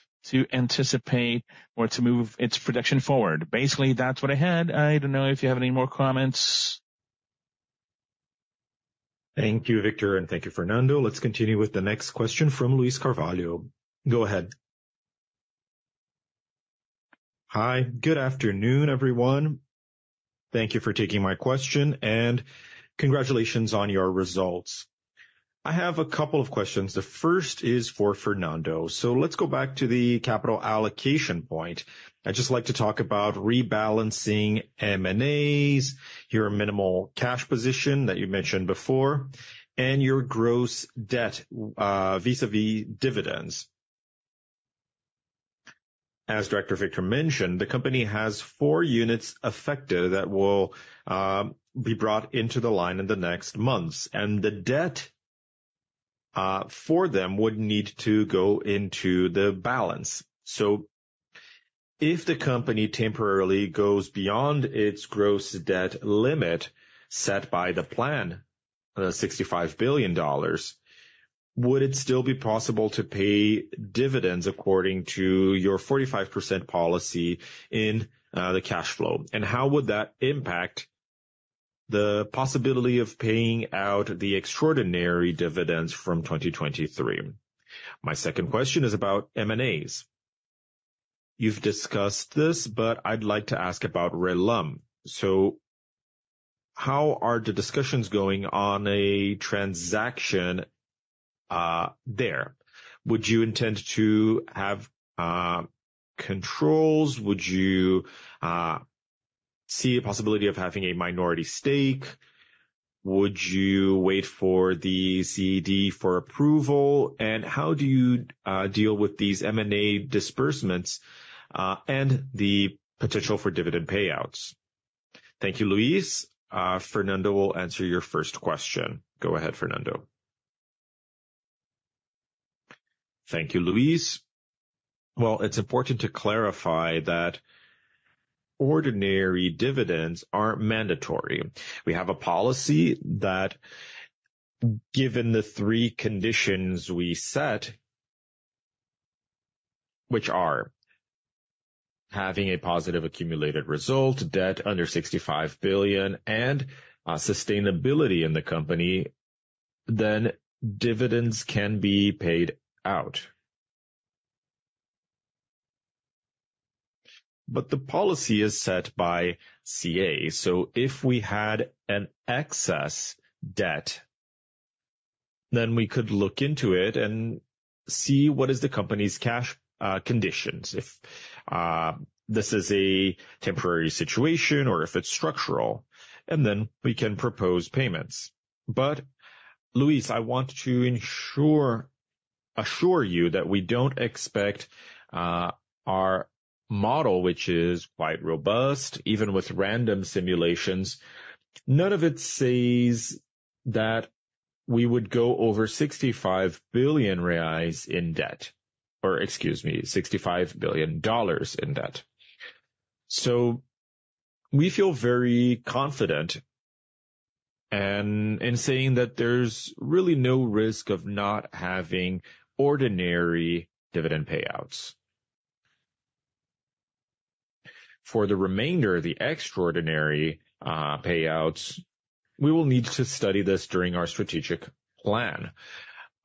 anticipate or to move its production forward. Basically, that's what I had. I don't know if you have any more comments. Thank you, Victor, and thank you, Fernando. Let's continue with the next question from Luiz Carvalho. Go ahead. Hi, good afternoon, everyone. Thank you for taking my question, and congratulations on your results. I have a couple of questions. The first is for Fernando. So let's go back to the capital allocation point. I'd just like to talk about rebalancing M&As, your minimal cash position that you mentioned before, and your gross debt, vis-a-vis dividends. As Director Victer mentioned, the company has four units affected that will, be brought into the line in the next months, and the debt, for them would need to go into the balance. So if the company temporarily goes beyond its gross debt limit set by the plan, $65 billion, would it still be possible to pay dividends according to your 45% policy in, the cash flow? And how would that impact the possibility of paying out the extraordinary dividends from 2023? My second question is about M&As. You've discussed this, but I'd like to ask about RLAM. So how are the discussions going on a transaction there? Would you intend to have controls? Would you see a possibility of having a minority stake? Would you wait for the CADE for approval? And how do you deal with these M&A disbursements and the potential for dividend payouts? Thank you, Luiz. Fernando will answer your first question. Go ahead, Fernando. Thank you, Luiz. Well, it's important to clarify that ordinary dividends aren't mandatory. We have a policy that, given the three conditions we set, which are having a positive accumulated result, debt under 65 billion, and sustainability in the company, then dividends can be paid out. ... But the policy is set by CA. So if we had an excess debt, then we could look into it and see what is the company's cash conditions. If this is a temporary situation or if it's structural, and then we can propose payments. But, Luis, I want to assure you that we don't expect our model, which is quite robust, even with random simulations, none of it says that we would go over 65 billion reais in debt, or excuse me, $65 billion in debt. So we feel very confident and, in saying that there's really no risk of not having ordinary dividend payouts. For the remainder of the extraordinary payouts, we will need to study this during our strategic plan.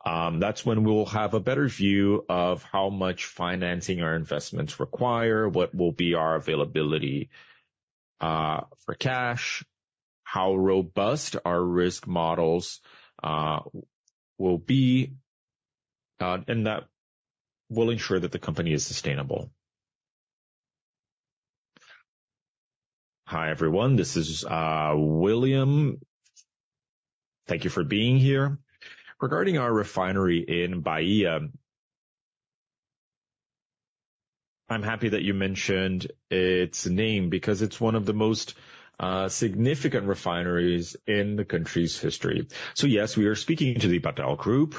That's when we'll have a better view of how much financing our investments require, what will be our availability for cash, how robust our risk models will be, and that will ensure that the company is sustainable. Hi, everyone, this is William. Thank you for being here. Regarding our refinery in Bahia, I'm happy that you mentioned its name because it's one of the most significant refineries in the country's history. So, yes, we are speaking to the Mubadala group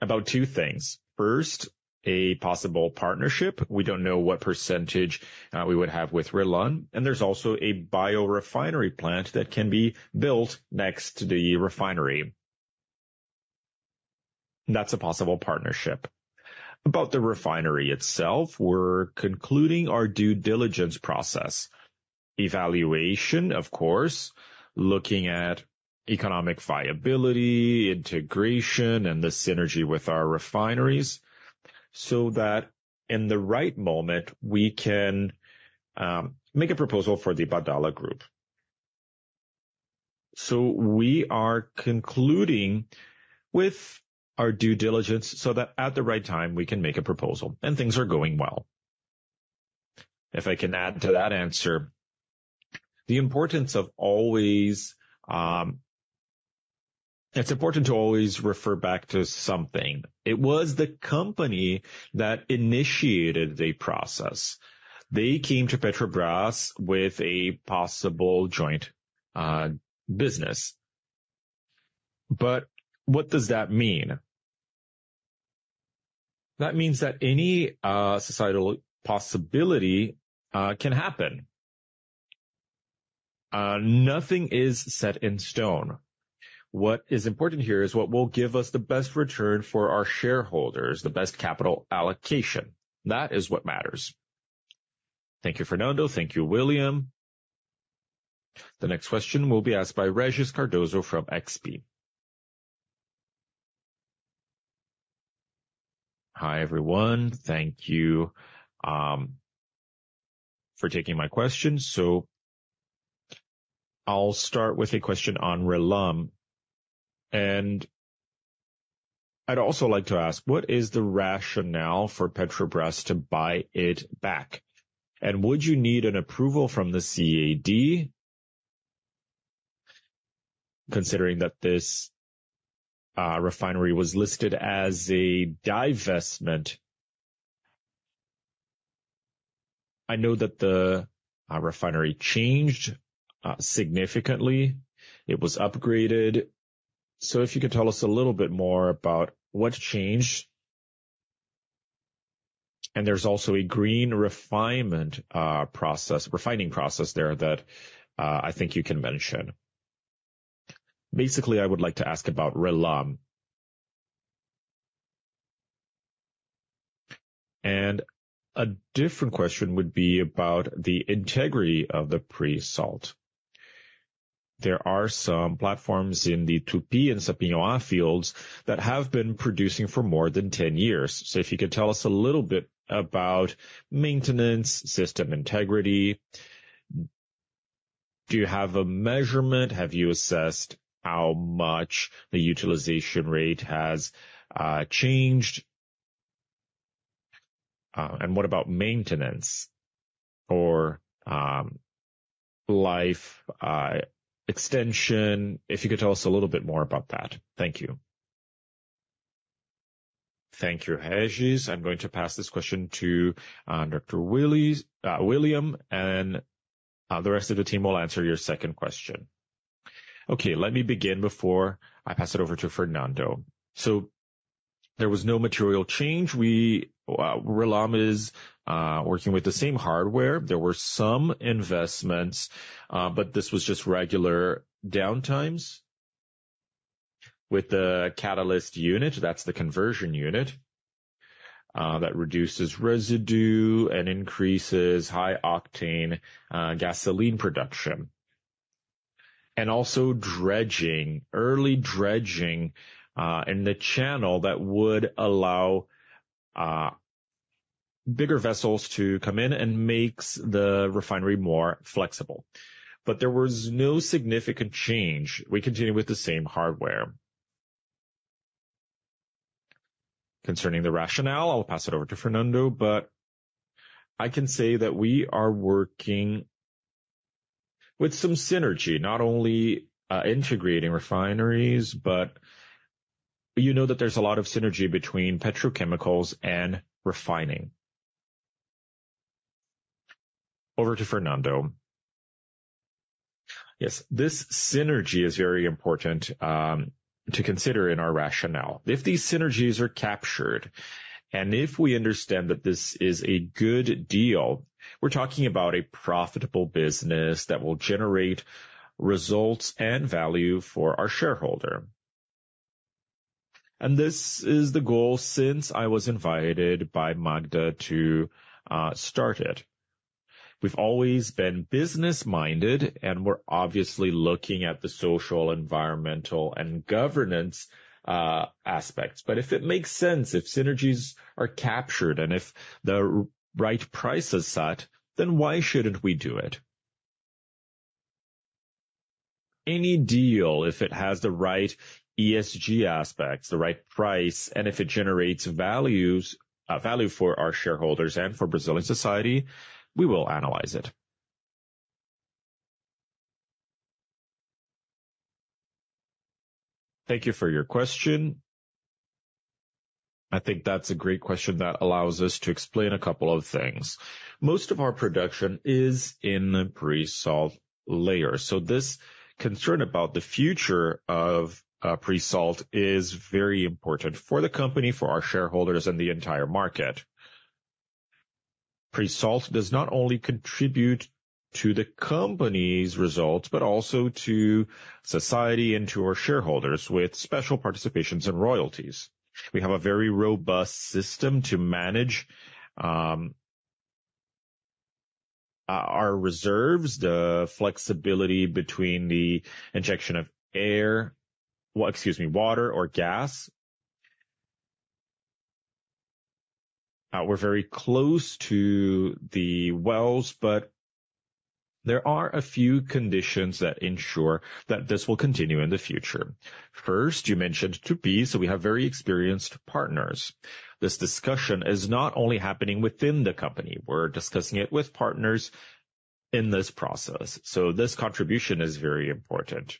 about two things. First, a possible partnership. We don't know what percentage we would have with RLAM, and there's also a biorefinery plant that can be built next to the refinery. That's a possible partnership. About the refinery itself, we're concluding our due diligence process. Evaluation, of course, looking at economic viability, integration, and the synergy with our refineries, so that in the right moment, we can make a proposal for the Mubadala group. So we are concluding with our due diligence so that at the right time, we can make a proposal, and things are going well. If I can add to that answer, the importance of always... It's important to always refer back to something. It was the company that initiated the process. They came to Petrobras with a possible joint business. But what does that mean? That means that any societal possibility can happen. Nothing is set in stone. What is important here is what will give us the best return for our shareholders, the best capital allocation. That is what matters. Thank you, Fernando. Thank you, William. The next question will be asked by Regis Cardoso from XP. Hi, everyone. Thank you for taking my question. So I'll start with a question on RLAM, and I'd also like to ask, what is the rationale for Petrobras to buy it back? And would you need an approval from the CADE, considering that this refinery was listed as a divestment? I know that the refinery changed significantly. It was upgraded. So if you could tell us a little bit more about what changed. And there's also a green refinement process, refining process there that I think you can mention. Basically, I would like to ask about RLAM. And a different question would be about the integrity of the pre-salt. There are some platforms in the Tupi and Sapinhoá fields that have been producing for more than 10 years. So if you could tell us a little bit about maintenance, system integrity. Do you have a measurement? Have you assessed how much the utilization rate has changed? And what about maintenance or life extension? If you could tell us a little bit more about that. Thank you. Thank you, Regis. I'm going to pass this question to Dr. William, and the rest of the team will answer your second question. Okay, let me begin before I pass it over to Fernando. So there was no material change. We, RLAM is working with the same hardware. There were some investments, but this was just regular downtimes with the catalyst unit. That's the conversion unit that reduces residue and increases high octane gasoline production. And also dredging, early dredging, in the channel that would allow bigger vessels to come in and makes the refinery more flexible. But there was no significant change. We continue with the same hardware. Concerning the rationale, I'll pass it over to Fernando, but I can say that we are working with some synergy, not only integrating refineries, but you know that there's a lot of synergy between petrochemicals and refining. Over to Fernando. Yes, this synergy is very important to consider in our rationale. If these synergies are captured, and if we understand that this is a good deal, we're talking about a profitable business that will generate results and value for our shareholder. And this is the goal since I was invited by Magda to start it. We've always been business-minded, and we're obviously looking at the social, environmental, and governance aspects. But if it makes sense, if synergies are captured, and if the right price is set, then why shouldn't we do it? Any deal, if it has the right ESG aspects, the right price, and if it generates values, value for our shareholders and for Brazilian society, we will analyze it. Thank you for your question. I think that's a great question that allows us to explain a couple of things. Most of our production is in the pre-salt layer, so this concern about the future of pre-salt is very important for the company, for our shareholders, and the entire market. Pre-salt does not only contribute to the company's results, but also to society and to our shareholders with special participations and royalties. We have a very robust system to manage our reserves, the flexibility between the injection of air... Well, excuse me, water or gas. We're very close to the wells, but there are a few conditions that ensure that this will continue in the future. First, you mentioned Tupi, so we have very experienced partners. This discussion is not only happening within the company, we're discussing it with partners in this process, so this contribution is very important.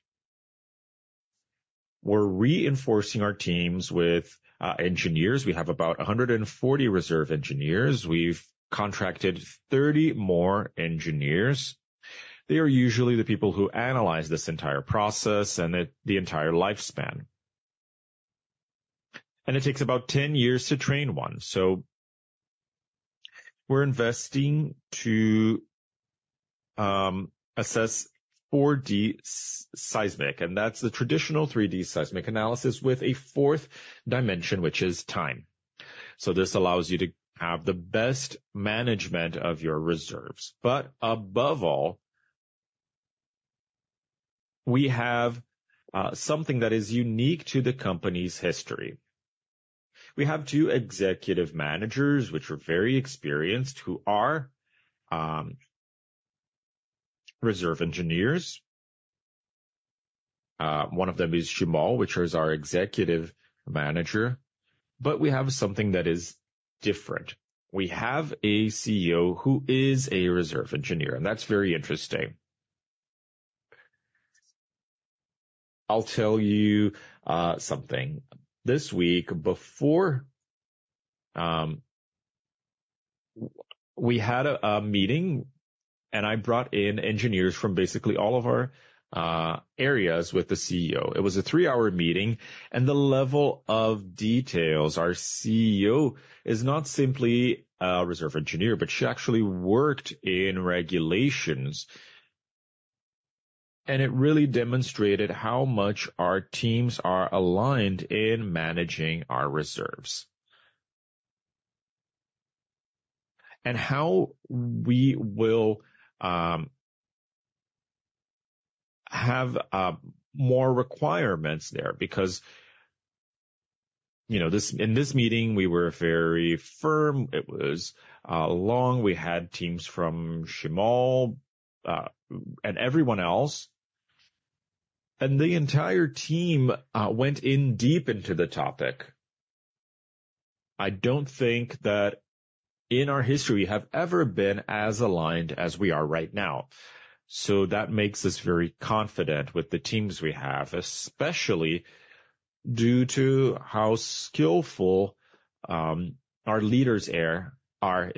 We're reinforcing our teams with engineers. We have about 140 reserve engineers. We've contracted 30 more engineers. They are usually the people who analyze this entire process and the entire lifespan. And it takes about 10 years to train one, so we're investing to assess 4D seismic, and that's the traditional 3D seismic analysis with a fourth dimension, which is time. So this allows you to have the best management of your reserves. But above all, we have something that is unique to the company's history. We have two executive managers, which are very experienced, who are reserve engineers. One of them is Chimal, which is our executive manager, but we have something that is different. We have a CEO who is a reserve engineer, and that's very interesting. I'll tell you something. This week, before... We had a meeting, and I brought in engineers from basically all of our areas with the CEO. It was a three-hour meeting, and the level of details, our CEO is not simply a reserve engineer, but she actually worked in regulations, and it really demonstrated how much our teams are aligned in managing our reserves. How we will have more requirements there because, you know, this in this meeting, we were very firm. It was long. We had teams from Chimal and everyone else, and the entire team went in deep into the topic. I don't think that in our history we have ever been as aligned as we are right now. So that makes us very confident with the teams we have, especially due to how skillful our leaders are, are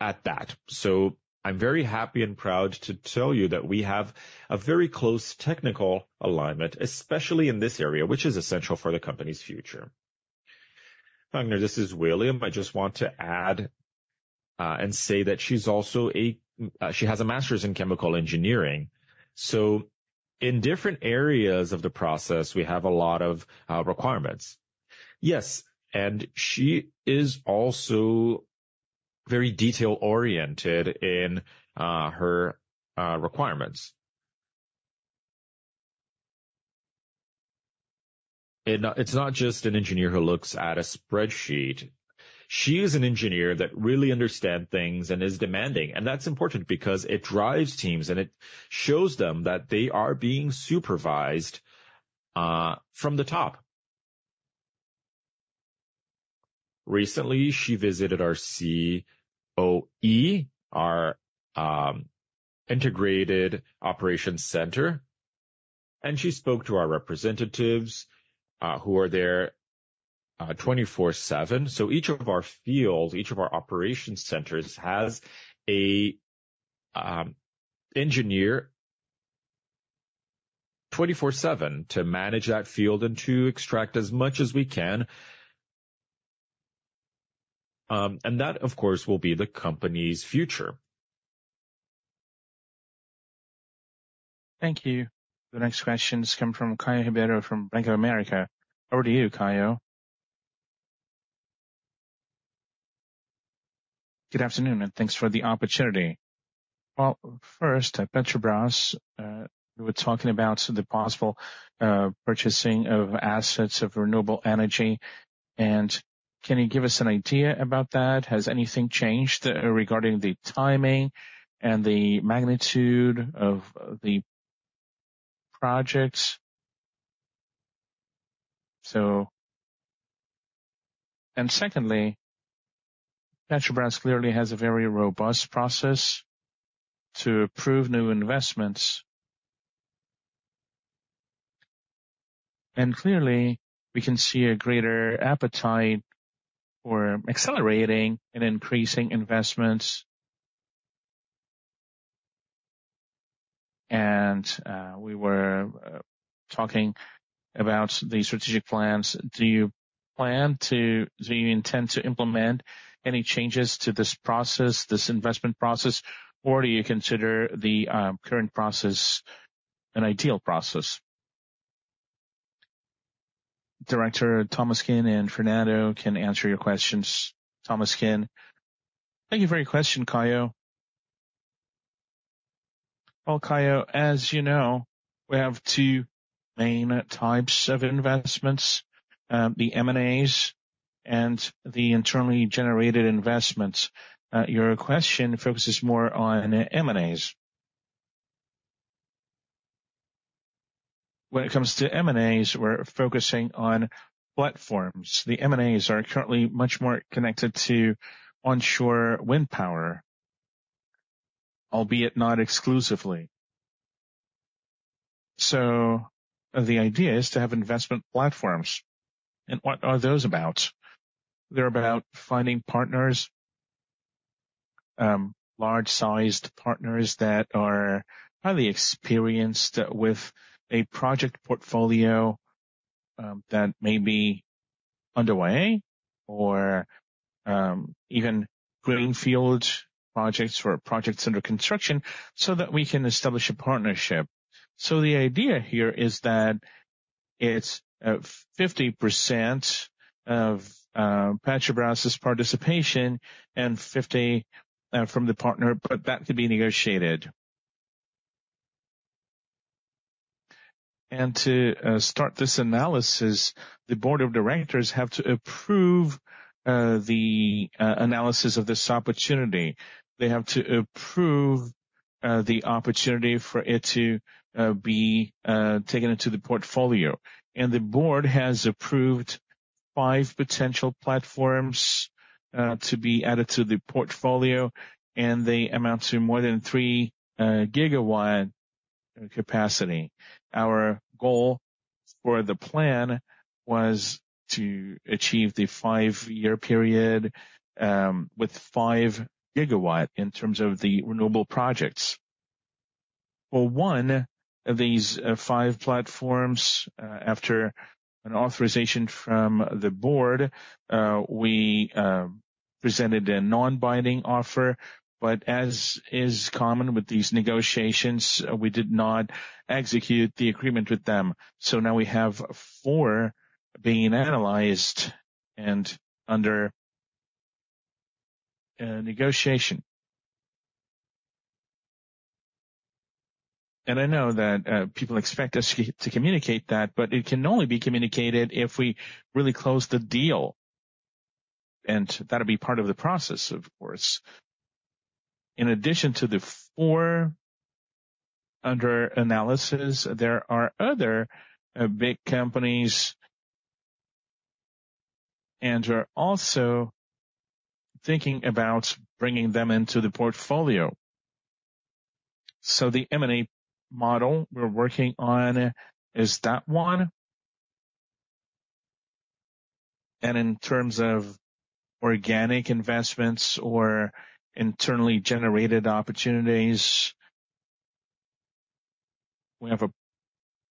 at that. So I'm very happy and proud to tell you that we have a very close technical alignment, especially in this area, which is essential for the company's future. Magda, this is William. I just want to add and say that she's also she has a master's in chemical engineering. So in different areas of the process, we have a lot of requirements. Yes, and she is also-... very detail-oriented in her requirements. It's not just an engineer who looks at a spreadsheet. She is an engineer that really understand things and is demanding, and that's important because it drives teams, and it shows them that they are being supervised from the top. Recently, she visited our COE, our integrated operations center, and she spoke to our representatives who are there 24/7. Each of our fields, each of our operations centers, has an engineer 24/7 to manage that field and to extract as much as we can. That, of course, will be the company's future. Thank you. The next question comes from Caio Ribeiro, from Bank of America. Over to you, Caio. Good afternoon, and thanks for the opportunity. Well, first, at Petrobras, you were talking about the possible purchasing of assets of renewable energy, and can you give us an idea about that? Has anything changed regarding the timing and the magnitude of the projects? And secondly, Petrobras clearly has a very robust process to approve new investments. Clearly, we can see a greater appetite for accelerating and increasing investments. We were talking about the strategic plans. Do you plan to- do you intend to implement any changes to this process, this investment process, or do you consider the current process an ideal process? Director Tolmasquim and Fernando can answer your questions. Tolmasquim. Thank you for your question, Caio. Well, Caio, as you know, we have two main types of investments, the M&As and the internally generated investments. Your question focuses more on M&As. When it comes to M&As, we're focusing on platforms. The M&As are currently much more connected to onshore wind power, albeit not exclusively. So the idea is to have investment platforms. And what are those about? They're about finding partners, large-sized partners that are highly experienced with a project portfolio, that may be underway or, even greenfield projects or projects under construction, so that we can establish a partnership. So the idea here is that it's 50% of Petrobras' participation and 50% from the partner, but that could be negotiated. And to start this analysis, the board of directors have to approve the analysis of this opportunity. They have to approve the opportunity for it to be taken into the portfolio. The board has approved 5 potential platforms to be added to the portfolio, and they amount to more than 3 gigawatt capacity. Our goal for the plan was to achieve the five-year period with 5 gigawatt in terms of the renewable projects. Well, one of these 5 platforms, after an authorization from the board, we presented a non-binding offer, but as is common with these negotiations, we did not execute the agreement with them. So now we have 4 being analyzed and under negotiation. And I know that people expect us to communicate that, but it can only be communicated if we really close the deal, and that'll be part of the process, of course. In addition to the 4 under analysis, there are other big companies, and we're also thinking about bringing them into the portfolio. So the M&A model we're working on is that one. In terms of organic investments or internally generated opportunities, we have a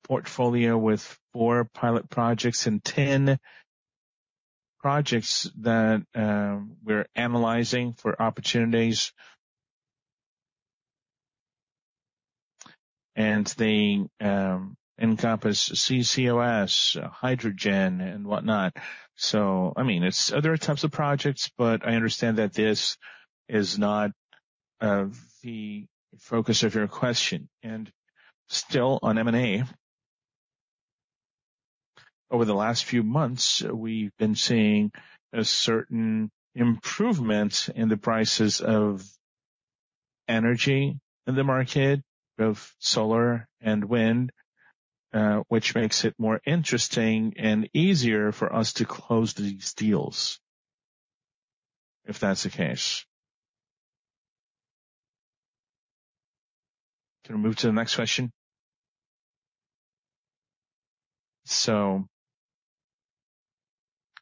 portfolio with 4 pilot projects and 10 projects that we're analyzing for opportunities. They encompass CCUS, hydrogen, and whatnot. So, I mean, it's other types of projects, but I understand that this is not the focus of your question. Still on M&A, over the last few months, we've been seeing a certain improvement in the prices of energy in the market, of solar and wind, which makes it more interesting and easier for us to close these deals, if that's the case. Can we move to the next question? So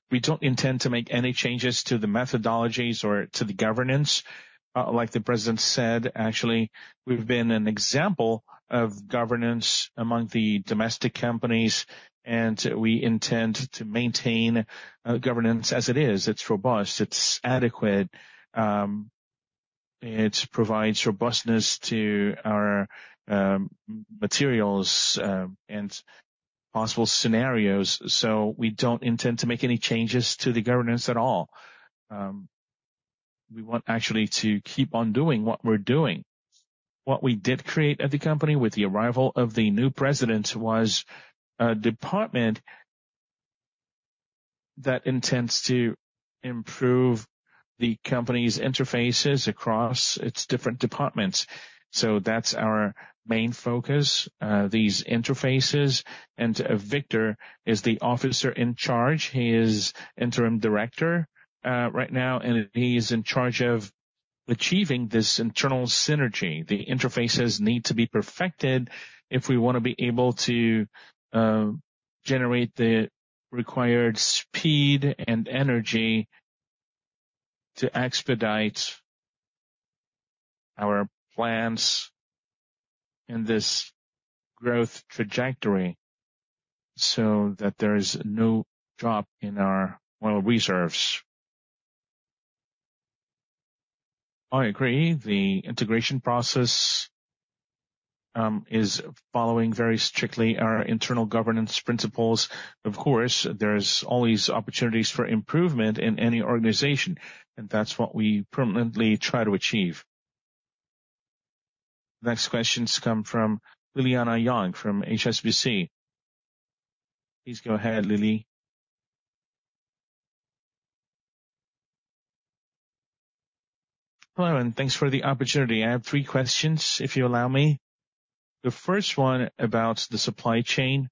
we don't intend to make any changes to the methodologies or to the governance. Like the president said, actually, we've been an example of governance among the domestic companies, and we intend to maintain governance as it is. It's robust, it's adequate, it provides robustness to our materials and possible scenarios, so we don't intend to make any changes to the governance at all. We want actually to keep on doing what we're doing. What we did create at the company with the arrival of the new president was a department that intends to improve the company's interfaces across its different departments, so that's our main focus, these interfaces. And Victor is the officer in charge. He is interim director right now, and he is in charge of achieving this internal synergy. The interfaces need to be perfected if we wanna be able to generate the required speed and energy to expedite our plans in this growth trajectory so that there is no drop in our oil reserves. I agree. The integration process is following very strictly our internal governance principles. Of course, there's always opportunities for improvement in any organization, and that's what we permanently try to achieve. Next questions come from Liliana Yang, from HSBC. Please go ahead, Lily. Hello, and thanks for the opportunity. I have three questions, if you allow me. The first one about the supply chain.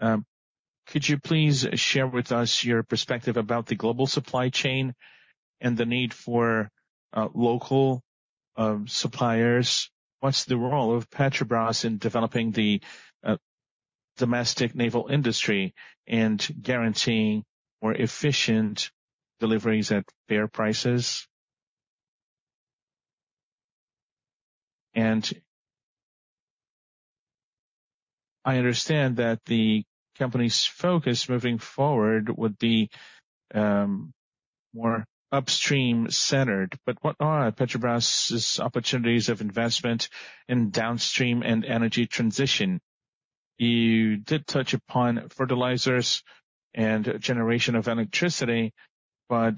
Could you please share with us your perspective about the global supply chain and the need for local suppliers? What's the role of Petrobras in developing the domestic naval industry and guaranteeing more efficient deliveries at fair prices? I understand that the company's focus moving forward would be more upstream-centered, but what are Petrobras' opportunities of investment in downstream and energy transition? You did touch upon fertilizers and generation of electricity, but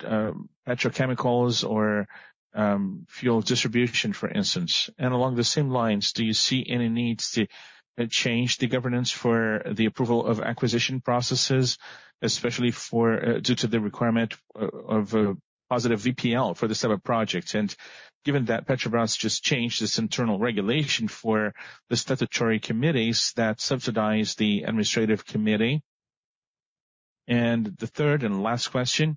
petrochemicals or fuel distribution, for instance. Along the same lines, do you see any needs to change the governance for the approval of acquisition processes, especially for due to the requirement of a positive VPL for the set of projects, and given that Petrobras just changed its internal regulation for the statutory committees that subsidize the administrative committee. The third and last question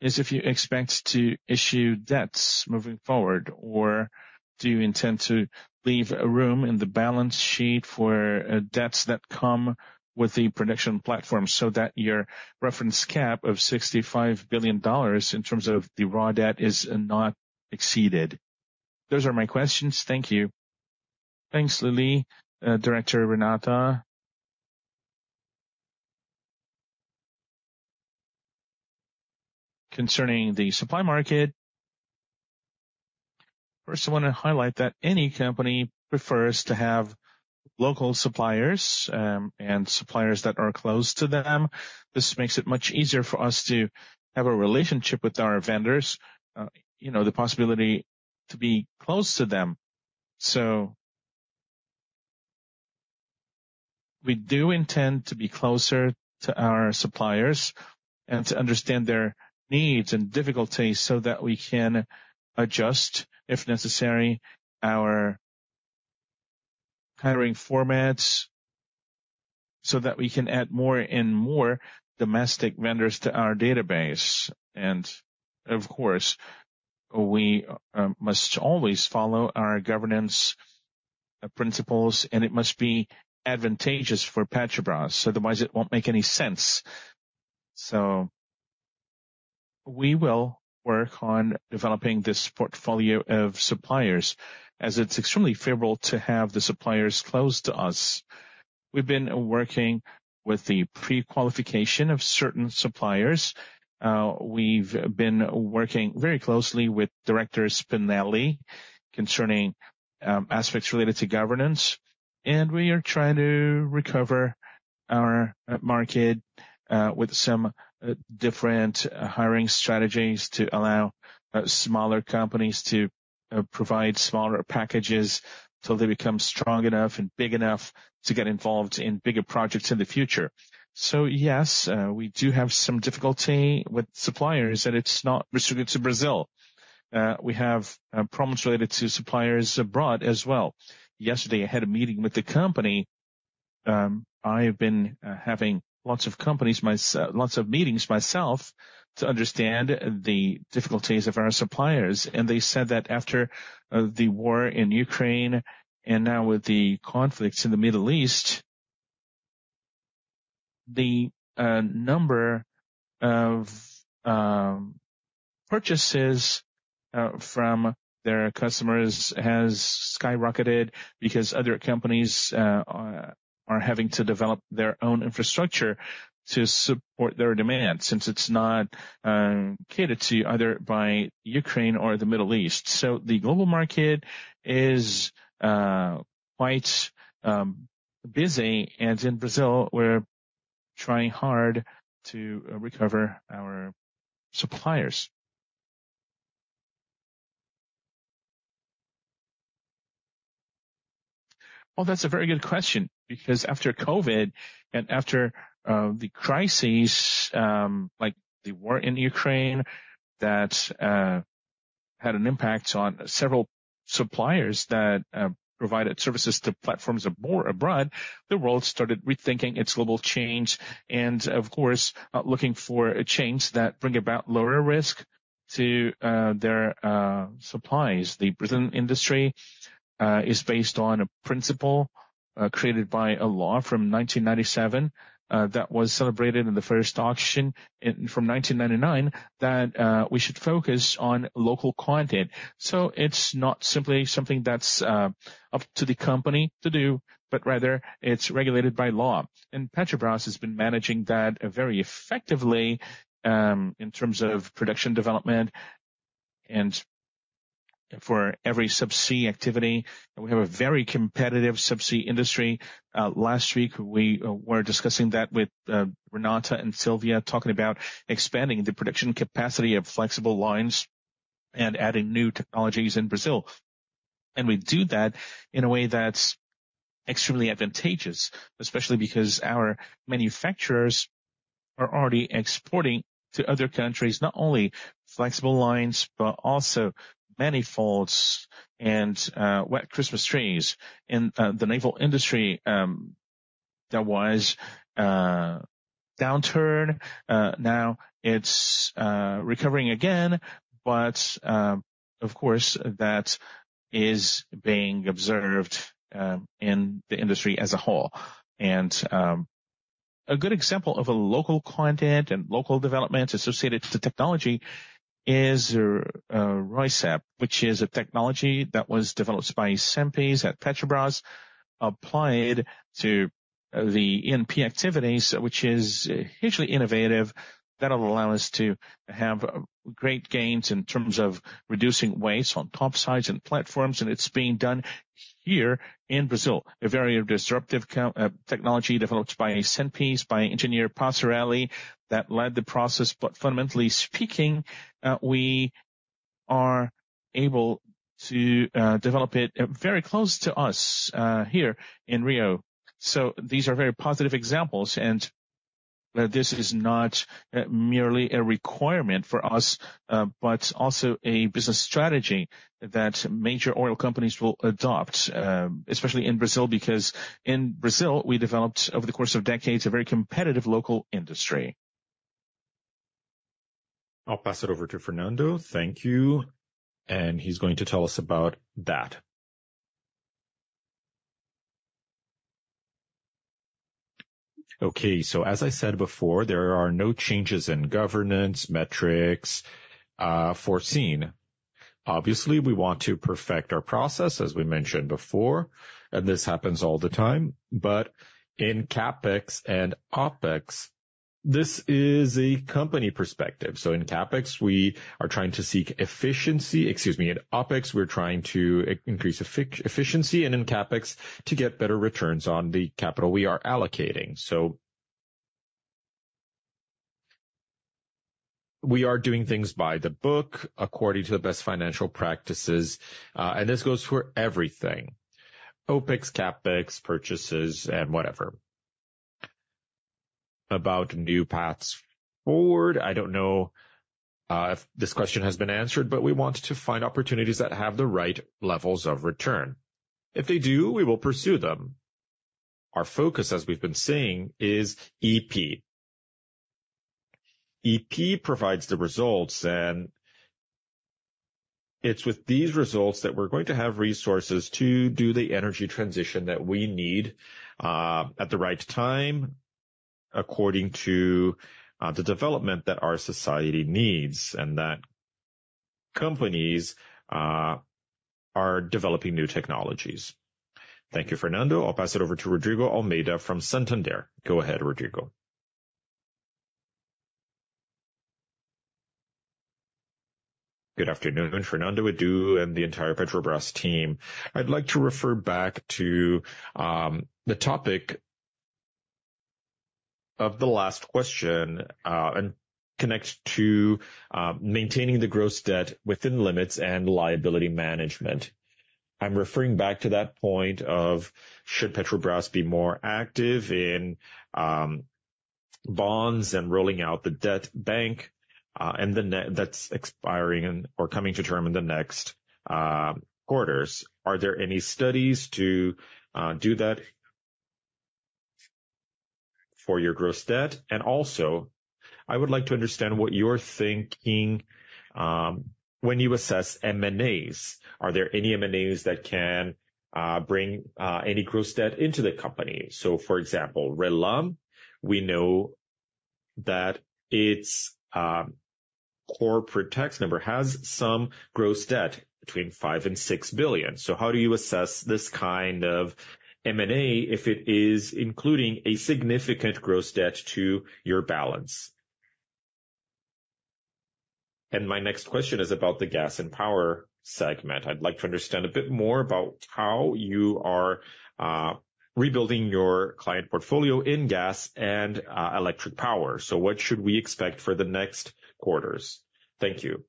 is, if you expect to issue debts moving forward, or do you intend to leave a room in the balance sheet for, debts that come with the production platform, so that your reference cap of $65 billion, in terms of the raw debt, is not exceeded? Those are my questions. Thank you. Thanks, Lily. Director Renata? Concerning the supply market, first, I wanna highlight that any company prefers to have local suppliers, and suppliers that are close to them. This makes it much easier for us to have a relationship with our vendors, you know, the possibility to be close to them. So we do intend to be closer to our suppliers and to understand their needs and difficulties so that we can adjust, if necessary, our hiring formats, so that we can add more and more domestic vendors to our database. Of course, we must always follow our governance principles, and it must be advantageous for Petrobras, otherwise it won't make any sense. So we will work on developing this portfolio of suppliers, as it's extremely favorable to have the suppliers close to us.... We've been working with the pre-qualification of certain suppliers. We've been working very closely with Director Spinelli concerning aspects related to governance, and we are trying to recover our market with some different hiring strategies to allow smaller companies to provide smaller packages till they become strong enough and big enough to get involved in bigger projects in the future. So yes, we do have some difficulty with suppliers, and it's not restricted to Brazil. We have problems related to suppliers abroad as well. Yesterday, I had a meeting with the company. I've been having lots of meetings myself to understand the difficulties of our suppliers. They said that after the war in Ukraine, and now with the conflicts in the Middle East, the number of purchases from their customers has skyrocketed because other companies are having to develop their own infrastructure to support their demand since it's not catered to either by Ukraine or the Middle East. The global market is quite busy, and in Brazil, we're trying hard to recover our suppliers. Well, that's a very good question, because after COVID and after the crises, like the war in Ukraine, that had an impact on several suppliers that provided services to platforms abroad, the world started rethinking its global change and, of course, looking for a change that bring about lower risk to their supplies. The Brazilian industry is based on a principle created by a law from 1997 that was celebrated in the first auction in from 1999 that we should focus on local content. So it's not simply something that's up to the company to do, but rather it's regulated by law. And Petrobras has been managing that very effectively in terms of production development and for every Subsea activity, we have a very competitive Subsea industry. Last week, we were discussing that with Renata and Sylvia, talking about expanding the production capacity of flexible lines and adding new technologies in Brazil. And we do that in a way that's extremely advantageous, especially because our manufacturers are already exporting to other countries, not only flexible lines, but also manifolds and wet Christmas trees. In the naval industry, there was a downturn, now it's recovering again, but of course, that is being observed in the industry as a whole. A good example of a local content and local development associated with the technology is HISEP, which is a technology that was developed by Cenpes at Petrobras, applied to the ENP activities, which is hugely innovative. That will allow us to have great gains in terms of reducing waste on topsides and platforms, and it's being done here in Brazil. A very disruptive technology developed by Cenpes by engineer Pascarelli, that led the process. But fundamentally speaking, we are able to develop it very close to us, here in Rio. So these are very positive examples, and this is not merely a requirement for us, but also a business strategy that major oil companies will adopt, especially in Brazil, because in Brazil, we developed, over the course of decades, a very competitive local industry. I'll pass it over to Fernando. Thank you. And he's going to tell us about that. Okay, so as I said before, there are no changes in governance, metrics, foreseen. Obviously, we want to perfect our process, as we mentioned before, and this happens all the time, but in CapEx and OpEx, this is a company perspective. So in CapEx, we are trying to seek efficiency. Excuse me, in OpEx, we're trying to increase efficiency, and in CapEx, to get better returns on the capital we are allocating. So we are doing things by the book, according to the best financial practices, and this goes for everything, OpEx, CapEx, purchases, and whatever. About new paths forward, I don't know if this question has been answered, but we want to find opportunities that have the right levels of return. If they do, we will pursue them. Our focus, as we've been saying, is EP. EP provides the results, and it's with these results that we're going to have resources to do the energy transition that we need, at the right time, according to, the development that our society needs, and that companies are developing new technologies. Thank you, Fernando. I'll pass it over to Rodrigo Almeida from Santander. Go ahead, Rodrigo. Good afternoon, Fernando Melgarejo, and the entire Petrobras team. I'd like to refer back to, the topic of the last question, and connect to, maintaining the gross debt within limits and liability management. I'm referring back to that point of should Petrobras be more active in, bonds and rolling out the debt bank, and the net that's expiring or coming to term in the next, quarters. Are there any studies to do that for your gross debt? And also, I would like to understand what you're thinking when you assess M&As. Are there any M&As that can bring any gross debt into the company? So, for example, RLAM, we know that its corporate tax number has some gross debt between 5 billion and 6 billion. So how do you assess this kind of M&A if it is including a significant gross debt to your balance? And my next question is about the gas and power segment. I'd like to understand a bit more about how you are rebuilding your client portfolio in gas and electric power. So what should we expect for the next quarters? Thank you.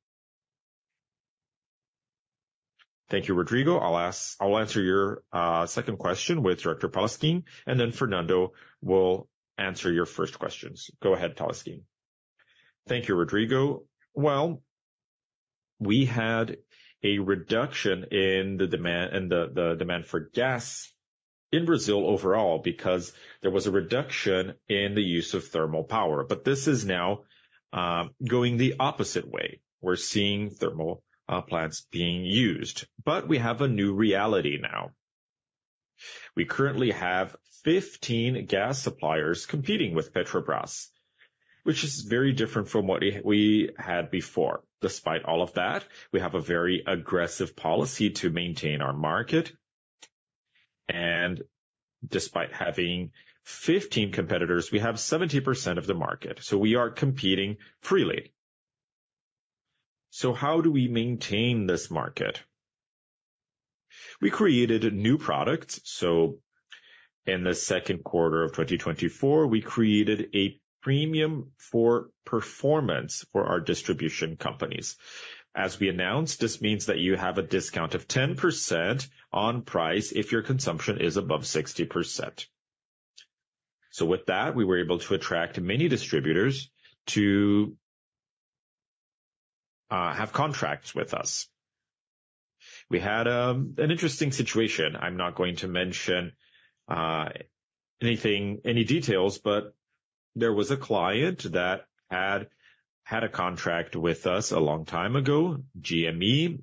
Thank you, Rodrigo. I'll answer your second question with Director Tolmasquim, and then Fernando will answer your first questions. Go ahead, Tolmasquim. Thank you, Rodrigo. Well, we had a reduction in the demand for gas in Brazil overall, because there was a reduction in the use of thermal power. But this is now going the opposite way. We're seeing thermal plants being used, but we have a new reality now. We currently have 15 gas suppliers competing with Petrobras, which is very different from what we had before. Despite all of that, we have a very aggressive policy to maintain our market, and despite having 15 competitors, we have 70% of the market, so we are competing freely. So how do we maintain this market? We created a new product, so in the second quarter of 2024, we created a premium for performance for our distribution companies. As we announced, this means that you have a discount of 10% on price if your consumption is above 60%. With that, we were able to attract many distributors to have contracts with us. We had an interesting situation. I'm not going to mention anything, any details, but there was a client that had a contract with us a long time ago, GME,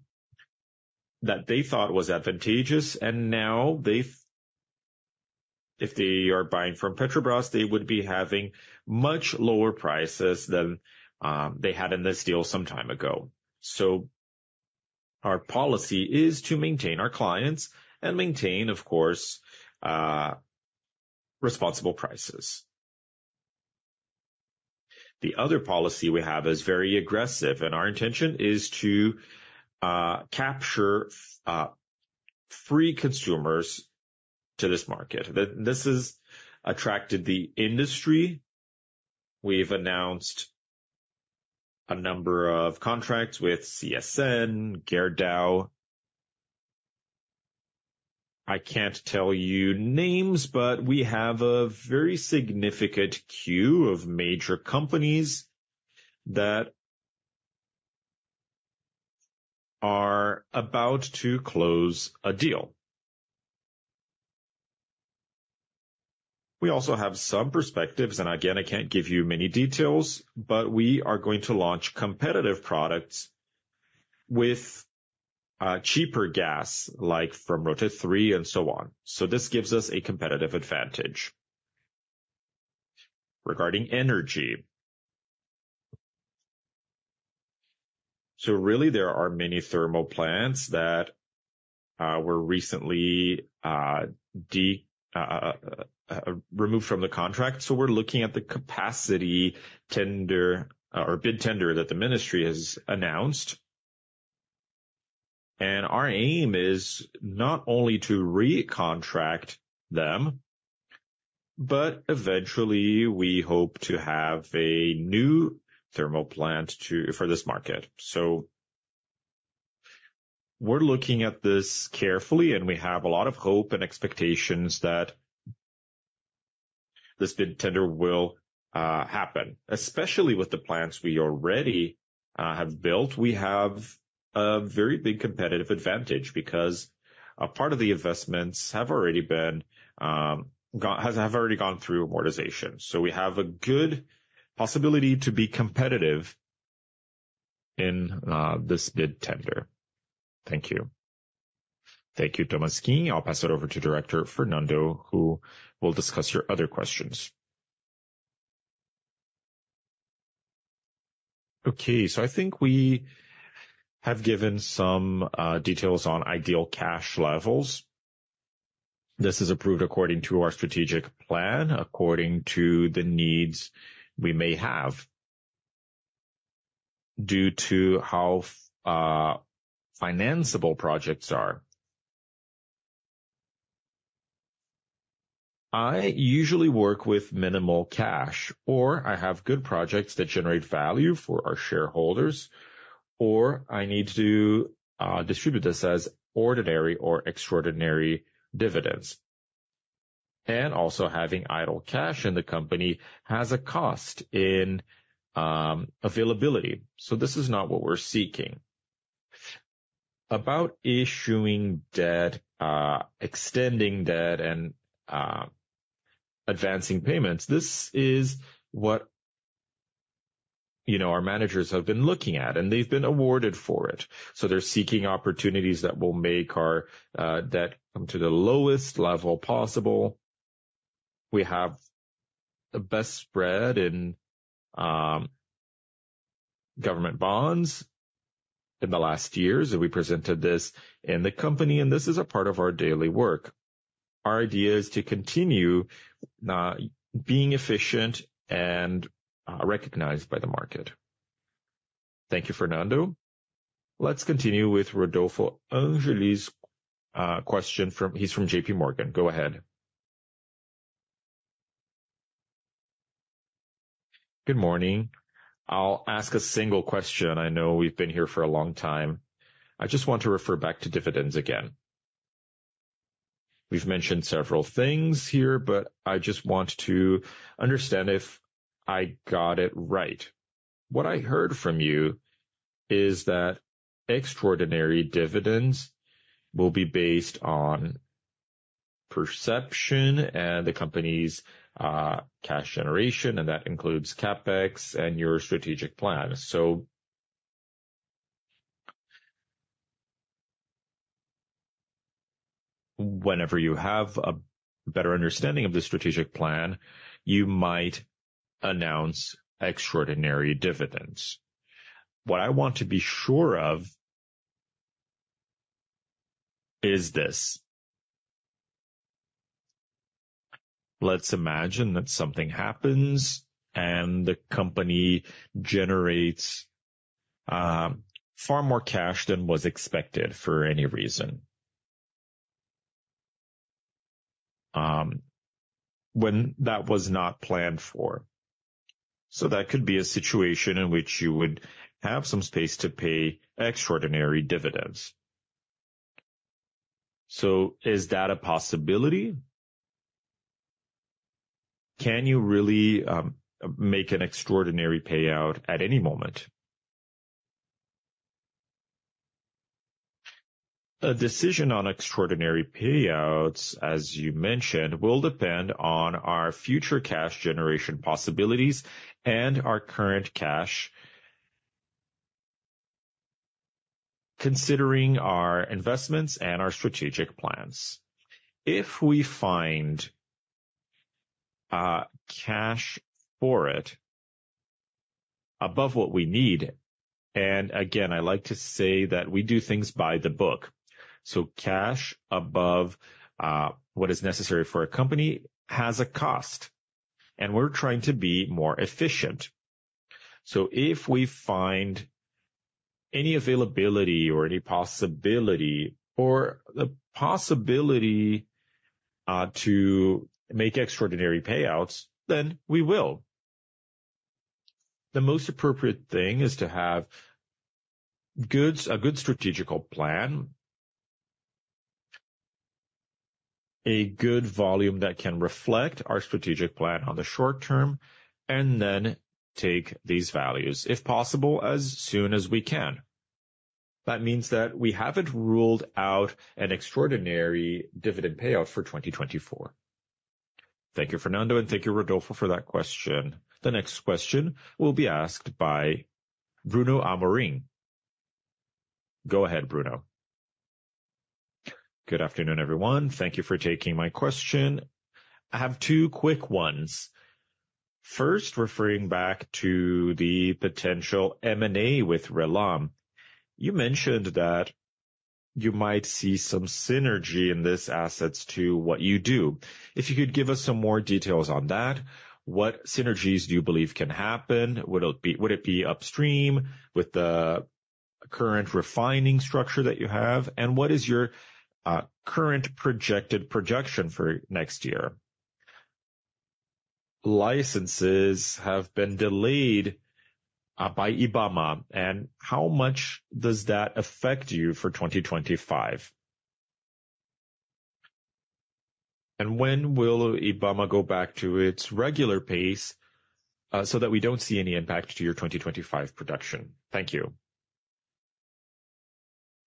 that they thought was advantageous, and now they've. If they are buying from Petrobras, they would be having much lower prices than they had in this deal some time ago. Our policy is to maintain our clients and maintain, of course, responsible prices. The other policy we have is very aggressive, and our intention is to capture free consumers to this market. This has attracted the industry. We've announced a number of contracts with CSN, Gerdau. I can't tell you names, but we have a very significant queue of major companies that are about to close a deal. We also have some perspectives, and again, I can't give you many details, but we are going to launch competitive products with cheaper gas, like from Rota 3 and so on. So this gives us a competitive advantage. Regarding energy, really there are many thermal plants that were recently removed from the contract, so we're looking at the capacity tender or bid tender that the ministry has announced. Our aim is not only to recontract them, but eventually, we hope to have a new thermal plant for this market. So we're looking at this carefully, and we have a lot of hope and expectations that this bid tender will happen, especially with the plants we already have built. We have a very big competitive advantage because a part of the investments have already gone through amortization. So we have a good possibility to be competitive in this bid tender. Thank you. Thank you, Tomascki. I'll pass it over to Director Fernando, who will discuss your other questions. Okay, so I think we have given some details on ideal cash levels. This is approved according to our strategic plan, according to the needs we may have. Due to how financeable projects are, I usually work with minimal cash, or I have good projects that generate value for our shareholders, or I need to distribute this as ordinary or extraordinary dividends. Also having idle cash in the company has a cost in availability, so this is not what we're seeking. About issuing debt, extending debt, and advancing payments, this is what, you know, our managers have been looking at, and they've been awarded for it. They're seeking opportunities that will make our debt come to the lowest level possible. We have the best spread in government bonds in the last years, and we presented this in the company, and this is a part of our daily work. Our idea is to continue being efficient and recognized by the market. Thank you, Fernando. Let's continue with Rodolfo Angele, question from—he's from JPMorgan. Go ahead. Good morning. I'll ask a single question. I know we've been here for a long time. I just want to refer back to dividends again. We've mentioned several things here, but I just want to understand if I got it right. What I heard from you is that extraordinary dividends will be based on perception and the company's cash generation, and that includes CapEx and your strategic plan. So whenever you have a better understanding of the strategic plan, you might announce extraordinary dividends. What I want to be sure of is this: Let's imagine that something happens, and the company generates far more cash than was expected for any reason, when that was not planned for. So that could be a situation in which you would have some space to pay extraordinary dividends. So is that a possibility? Can you really make an extraordinary payout at any moment? A decision on extraordinary payouts, as you mentioned, will depend on our future cash generation possibilities and our current cash, considering our investments and our strategic plans. If we find cash for it above what we need, and again, I like to say that we do things by the book. So cash above what is necessary for a company has a cost, and we're trying to be more efficient. So if we find any availability or any possibility, or the possibility to make extraordinary payouts, then we will. The most appropriate thing is to have a good strategic plan, a good volume that can reflect our strategic plan on the short term, and then take these values, if possible, as soon as we can. That means that we haven't ruled out an extraordinary dividend payout for 2024. Thank you, Fernando, and thank you, Rodolfo, for that question. The next question will be asked by Bruno Amorim. Go ahead, Bruno. Good afternoon, everyone. Thank you for taking my question. I have two quick ones. First, referring back to the potential M&A with RLAM, you mentioned that you might see some synergy in these assets to what you do. If you could give us some more details on that, what synergies do you believe can happen? Would it be, would it be upstream with the current refining structure that you have? What is your current projected projection for next year? Licenses have been delayed by IBAMA, and how much does that affect you for 2025? When will IBAMA go back to its regular pace so that we don't see any impact to your 2025 production? Thank you.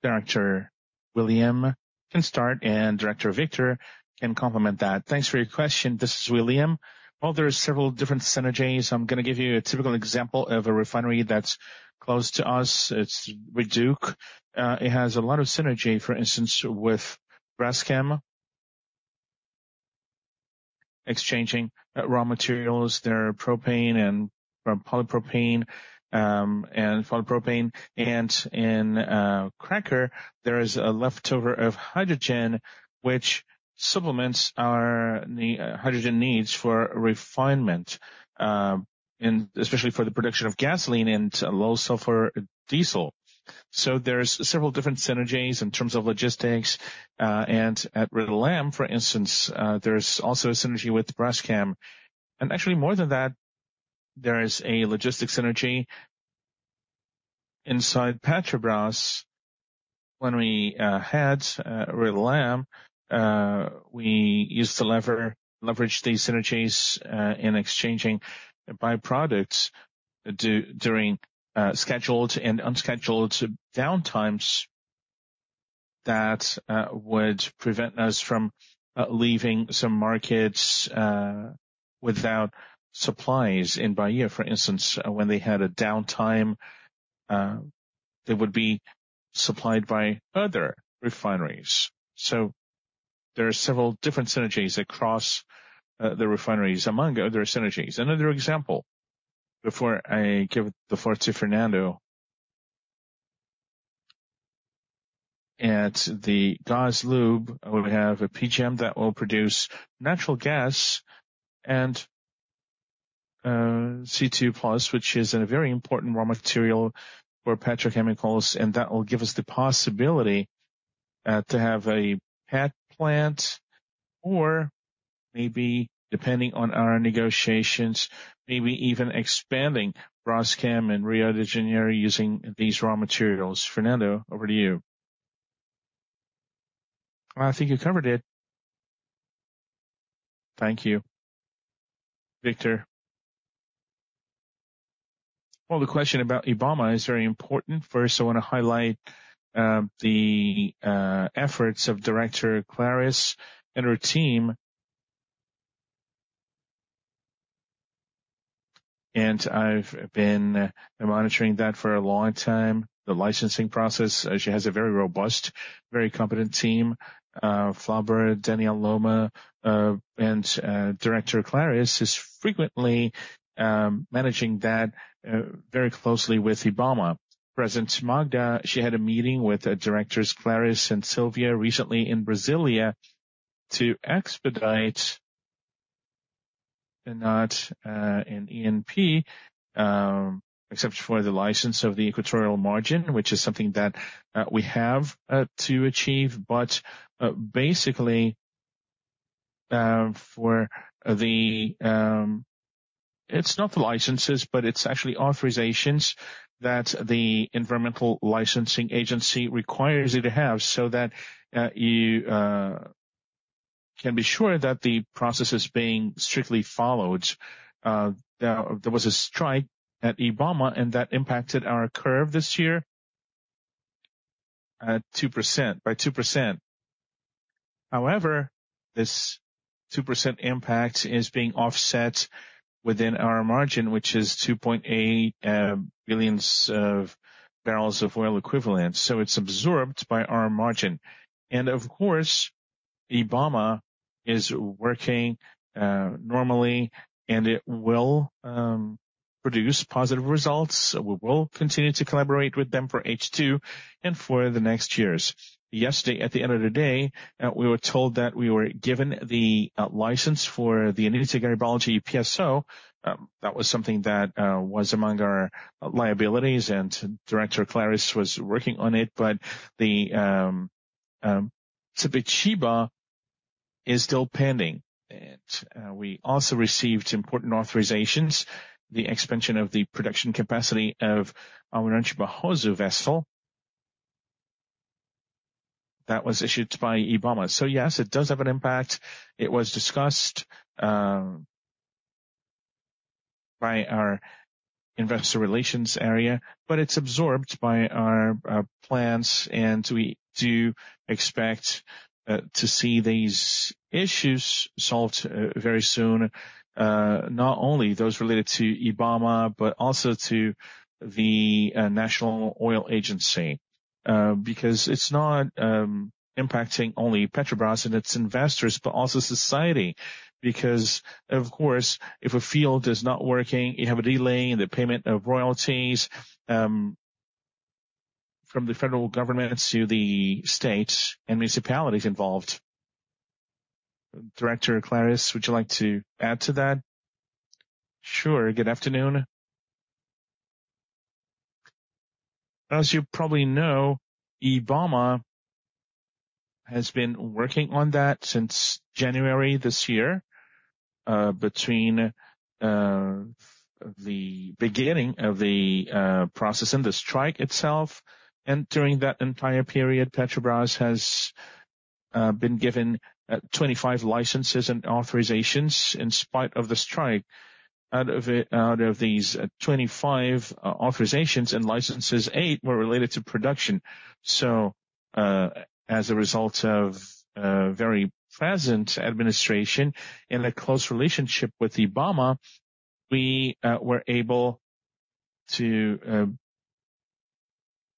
Director William can start, and Director Victer can complement that. Thanks for your question. This is William. Well, there are several different synergies. I'm gonna give you a typical example of a refinery that's close to us. It's REDUC. It has a lot of synergy, for instance, with Braskem, exchanging raw materials, there are propane and from polypropylene, and polypropylene. And in cracker, there is a leftover of hydrogen, which supplements our hydrogen needs for refinement, and especially for the production of gasoline and low sulfur diesel. So there's several different synergies in terms of logistics. And at RLAM, for instance, there's also a synergy with Braskem. And actually, more than that, there is a logistics synergy inside Petrobras. When we had RLAM, we used to leverage these synergies in exchanging byproducts during scheduled and unscheduled downtimes that would prevent us from leaving some markets without supplies. In Bahia, for instance, when they had a downtime, they would be supplied by other refineries. So there are several different synergies across the refineries, among other synergies. Another example, before I give the floor to Fernando. At the GasLub, we have a UPGN that will produce natural gas and C2+, which is a very important raw material for petrochemicals, and that will give us the possibility to have a pet plant, or maybe depending on our negotiations, maybe even expanding Braskem in Rio de Janeiro using these raw materials. Fernando, over to you. I think you covered it. Thank you, Victer. Well, the question about Ibama is very important. First, I want to highlight the efforts of Director Clarice and her team. And I've been monitoring that for a long time, the licensing process. She has a very robust, very competent team, Flauber, Daniel Lima, and Director Clarice is frequently managing that very closely with Ibama. President Magda, she had a meeting with Directors Clarice and Sylvia recently in Brasília to expedite, and not in ANP, except for the license of the equatorial margin, which is something that we have to achieve. But basically, for the, it's not the licenses, but it's actually authorizations that the environmental licensing agency requires you to have so that you can be sure that the process is being strictly followed. There was a strike at Ibama, and that impacted our curve this year 2%, by 2%. However, this 2% impact is being offset within our margin, which is 2.8 billion barrels of oil equivalent, so it's absorbed by our margin. Of course, Ibama is working normally, and it will produce positive results. We will continue to collaborate with them for H2 and for the next years. Yesterday, at the end of the day, we were told that we were given the license for the FPSO Almirante Tamandaré. That was something that was among our liabilities, and Director Clarice was working on it, but the Sepetiba is still pending. We also received important authorizations, the expansion of the production capacity of our Almirante Barroso vessel. That was issued by Ibama. So yes, it does have an impact. It was discussed by our investor relations area, but it's absorbed by our plans, and we do expect to see these issues solved very soon, not only those related to Ibama, but also to the National Oil Agency. Because it's not impacting only Petrobras and its investors, but also society. Because, of course, if a field is not working, you have a delay in the payment of royalties from the federal government to the state and municipalities involved. Director Clarice, would you like to add to that? Sure. Good afternoon. As you probably know, Ibama has been working on that since January this year, between the beginning of the process and the strike itself. During that entire period, Petrobras has been given 25 licenses and authorizations in spite of the strike. Out of these 25 authorizations and licenses, eight were related to production. So, as a result of a very present administration and a close relationship with Ibama, we were able to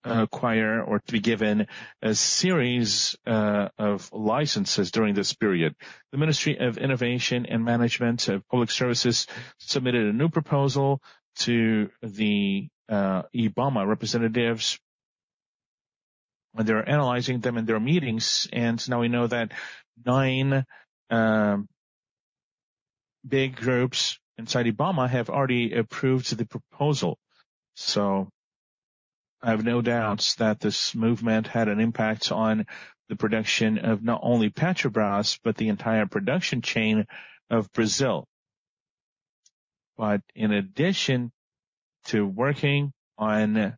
acquire or to be given a series of licenses during this period. The Ministry of Innovation and Management of Public Services submitted a new proposal to the Ibama representatives, and they're analyzing them in their meetings. And now we know that nine big groups inside Ibama have already approved the proposal. So I have no doubts that this movement had an impact on the production of not only Petrobras, but the entire production chain of Brazil. But in addition to working on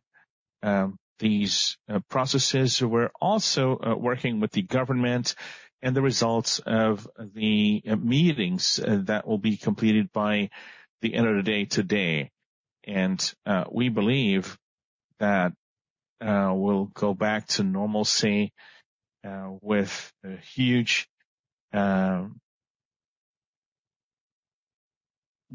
these processes, we're also working with the government and the results of the meetings that will be completed by the end of the day today. And we believe that we'll go back to normalcy with a huge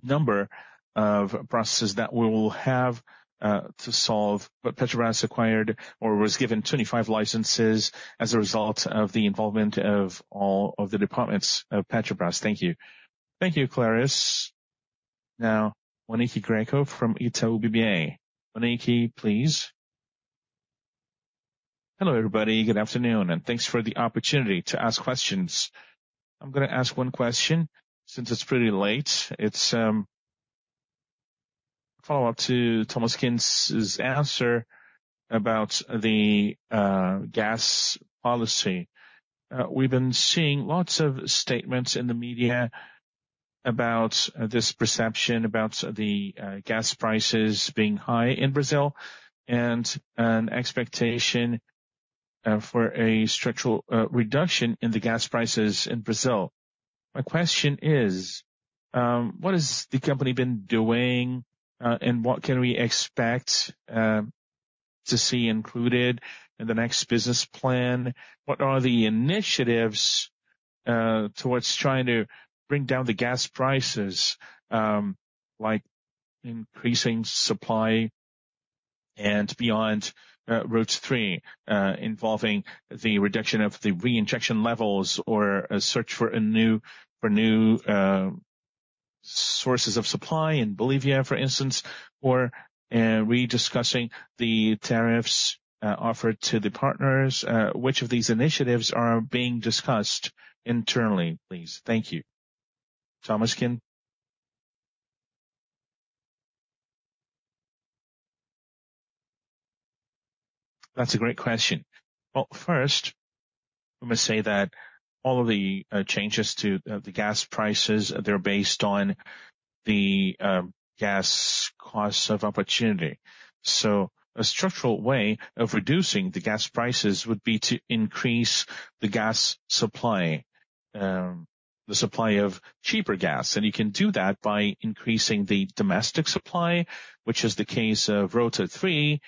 number of processes that we will have to solve. But Petrobras acquired or was given 25 licenses as a result of the involvement of all of the departments of Petrobras. Thank you. Thank you, Clarice. Now, Monique Greco from Itaú BBA. Monique, please. Hello, everybody. Good afternoon, and thanks for the opportunity to ask questions. I'm gonna ask one question, since it's pretty late. It's follow-up to Tomas Kin's answer about the gas policy. We've been seeing lots of statements in the media about this perception about the gas prices being high in Brazil, and an expectation for a structural reduction in the gas prices in Brazil. My question is, what has the company been doing, and what can we expect to see included in the next business plan? What are the initiatives towards trying to bring down the gas prices, like increasing supply and beyond Rota 3, involving the reduction of the reinjection levels or a search for new sources of supply in Bolivia, for instance, or rediscussing the tariffs offered to the partners? Which of these initiatives are being discussed internally, please? Thank you. Tomas Kin? That's a great question. Well, first, I must say that all of the changes to the gas prices, they're based on the gas costs of opportunity. So a structural way of reducing the gas prices would be to increase the gas supply, the supply of cheaper gas. And you can do that by increasing the domestic supply, which is the case of Rota 3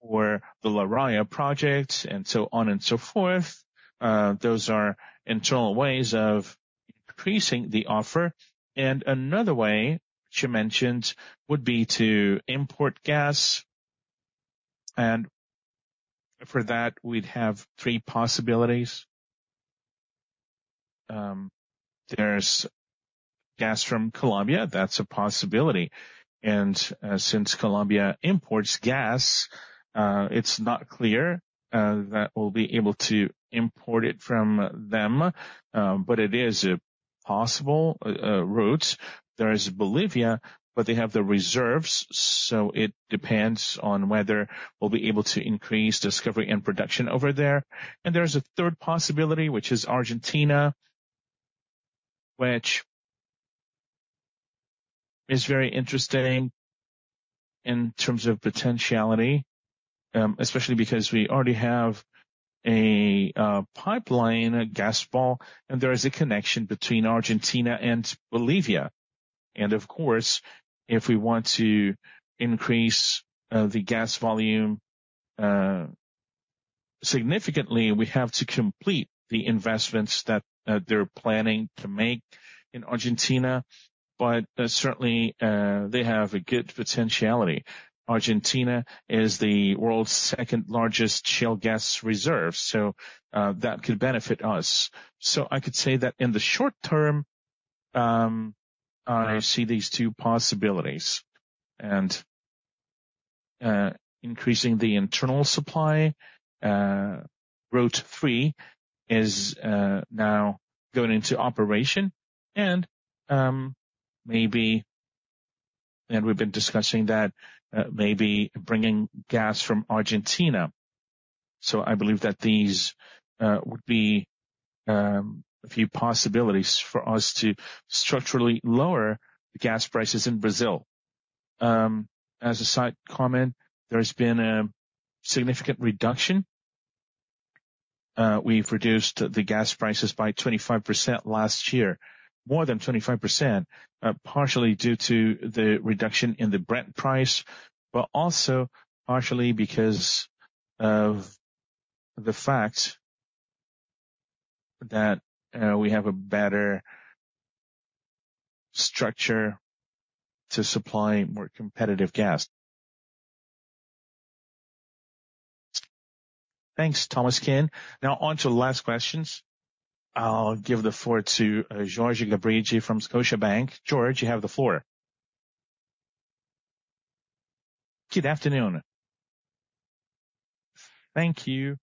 or the Raia Project and so on and so forth. Those are internal ways of increasing the offer, and another way, which you mentioned, would be to import gas, and for that, we'd have three possibilities. There's gas from Colombia. That's a possibility, and since Colombia imports gas, it's not clear that we'll be able to import it from them, but it is a possible route. There is Bolivia, but they have the reserves, so it depends on whether we'll be able to increase discovery and production over there. And there's a third possibility, which is Argentina, which is very interesting in terms of potentiality, especially because we already have a pipeline, a Gasbol, and there is a connection between Argentina and Bolivia. And of course, if we want to increase the gas volume significantly, we have to complete the investments that they're planning to make in Argentina, but certainly they have a good potentiality. Argentina is the world's second-largest shale gas reserve, so that could benefit us. So I could say that in the short term, I see these two possibilities, and increasing the internal supply, Rota 3 is now going into operation and maybe, and we've been discussing that, maybe bringing gas from Argentina. So I believe that these would be a few possibilities for us to structurally lower the gas prices in Brazil. As a side comment, there's been a significant reduction. We've reduced the gas prices by 25% last year, more than 25%, partially due to the reduction in the Brent price, but also partially because of the fact that we have a better structure to supply more competitive gas. Thanks, Thomas Kin. Now on to the last questions. I'll give the floor to George Gabrig from Scotiabank. George, you have the floor. Good afternoon. Thank you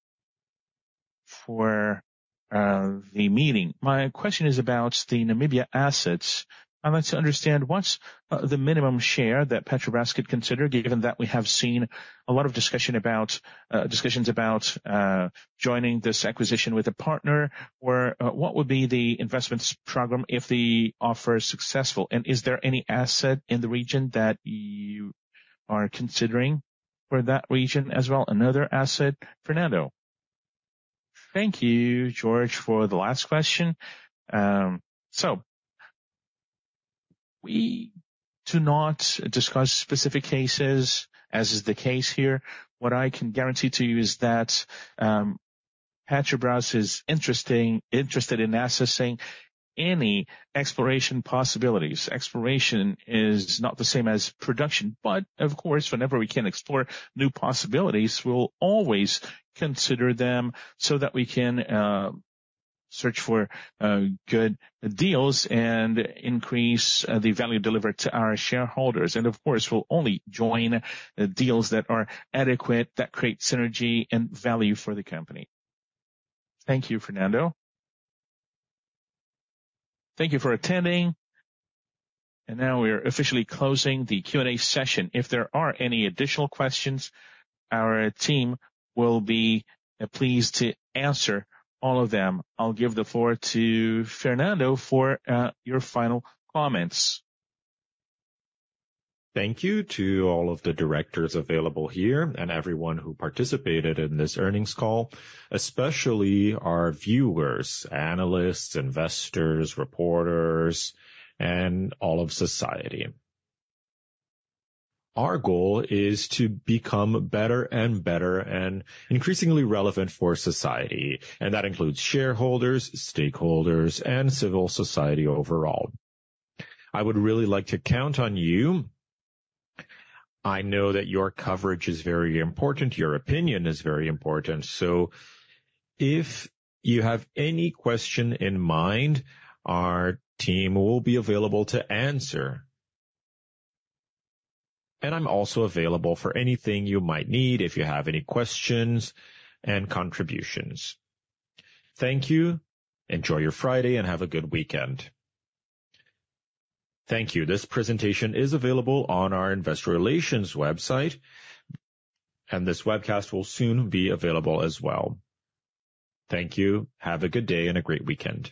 for the meeting. My question is about the Namibia assets. I'd like to understand what's the minimum share that Petrobras could consider, given that we have seen a lot of discussion about joining this acquisition with a partner? Or what would be the investments program if the offer is successful? And is there any asset in the region that you are considering for that region as well, another asset? Fernando? Thank you, George, for the last question. So we do not discuss specific cases, as is the case here. What I can guarantee to you is that Petrobras is interested in assessing any exploration possibilities. Exploration is not the same as production, but of course, whenever we can explore new possibilities, we'll always consider them so that we can search for good deals and increase the value delivered to our shareholders. And of course, we'll only join the deals that are adequate, that create synergy and value for the company. Thank you, Fernando. Thank you for attending, and now we are officially closing the Q&A session. If there are any additional questions, our team will be pleased to answer all of them. I'll give the floor to Fernando for your final comments. Thank you to all of the directors available here and everyone who participated in this earnings call, especially our viewers, analysts, investors, reporters, and all of society. Our goal is to become better and better and increasingly relevant for society, and that includes shareholders, stakeholders, and civil society overall. I would really like to count on you. I know that your coverage is very important, your opinion is very important, so if you have any question in mind, our team will be available to answer. I'm also available for anything you might need if you have any questions and contributions. Thank you. Enjoy your Friday, and have a good weekend. Thank you. This presentation is available on our investor relations website, and this webcast will soon be available as well. Thank you. Have a good day and a great weekend.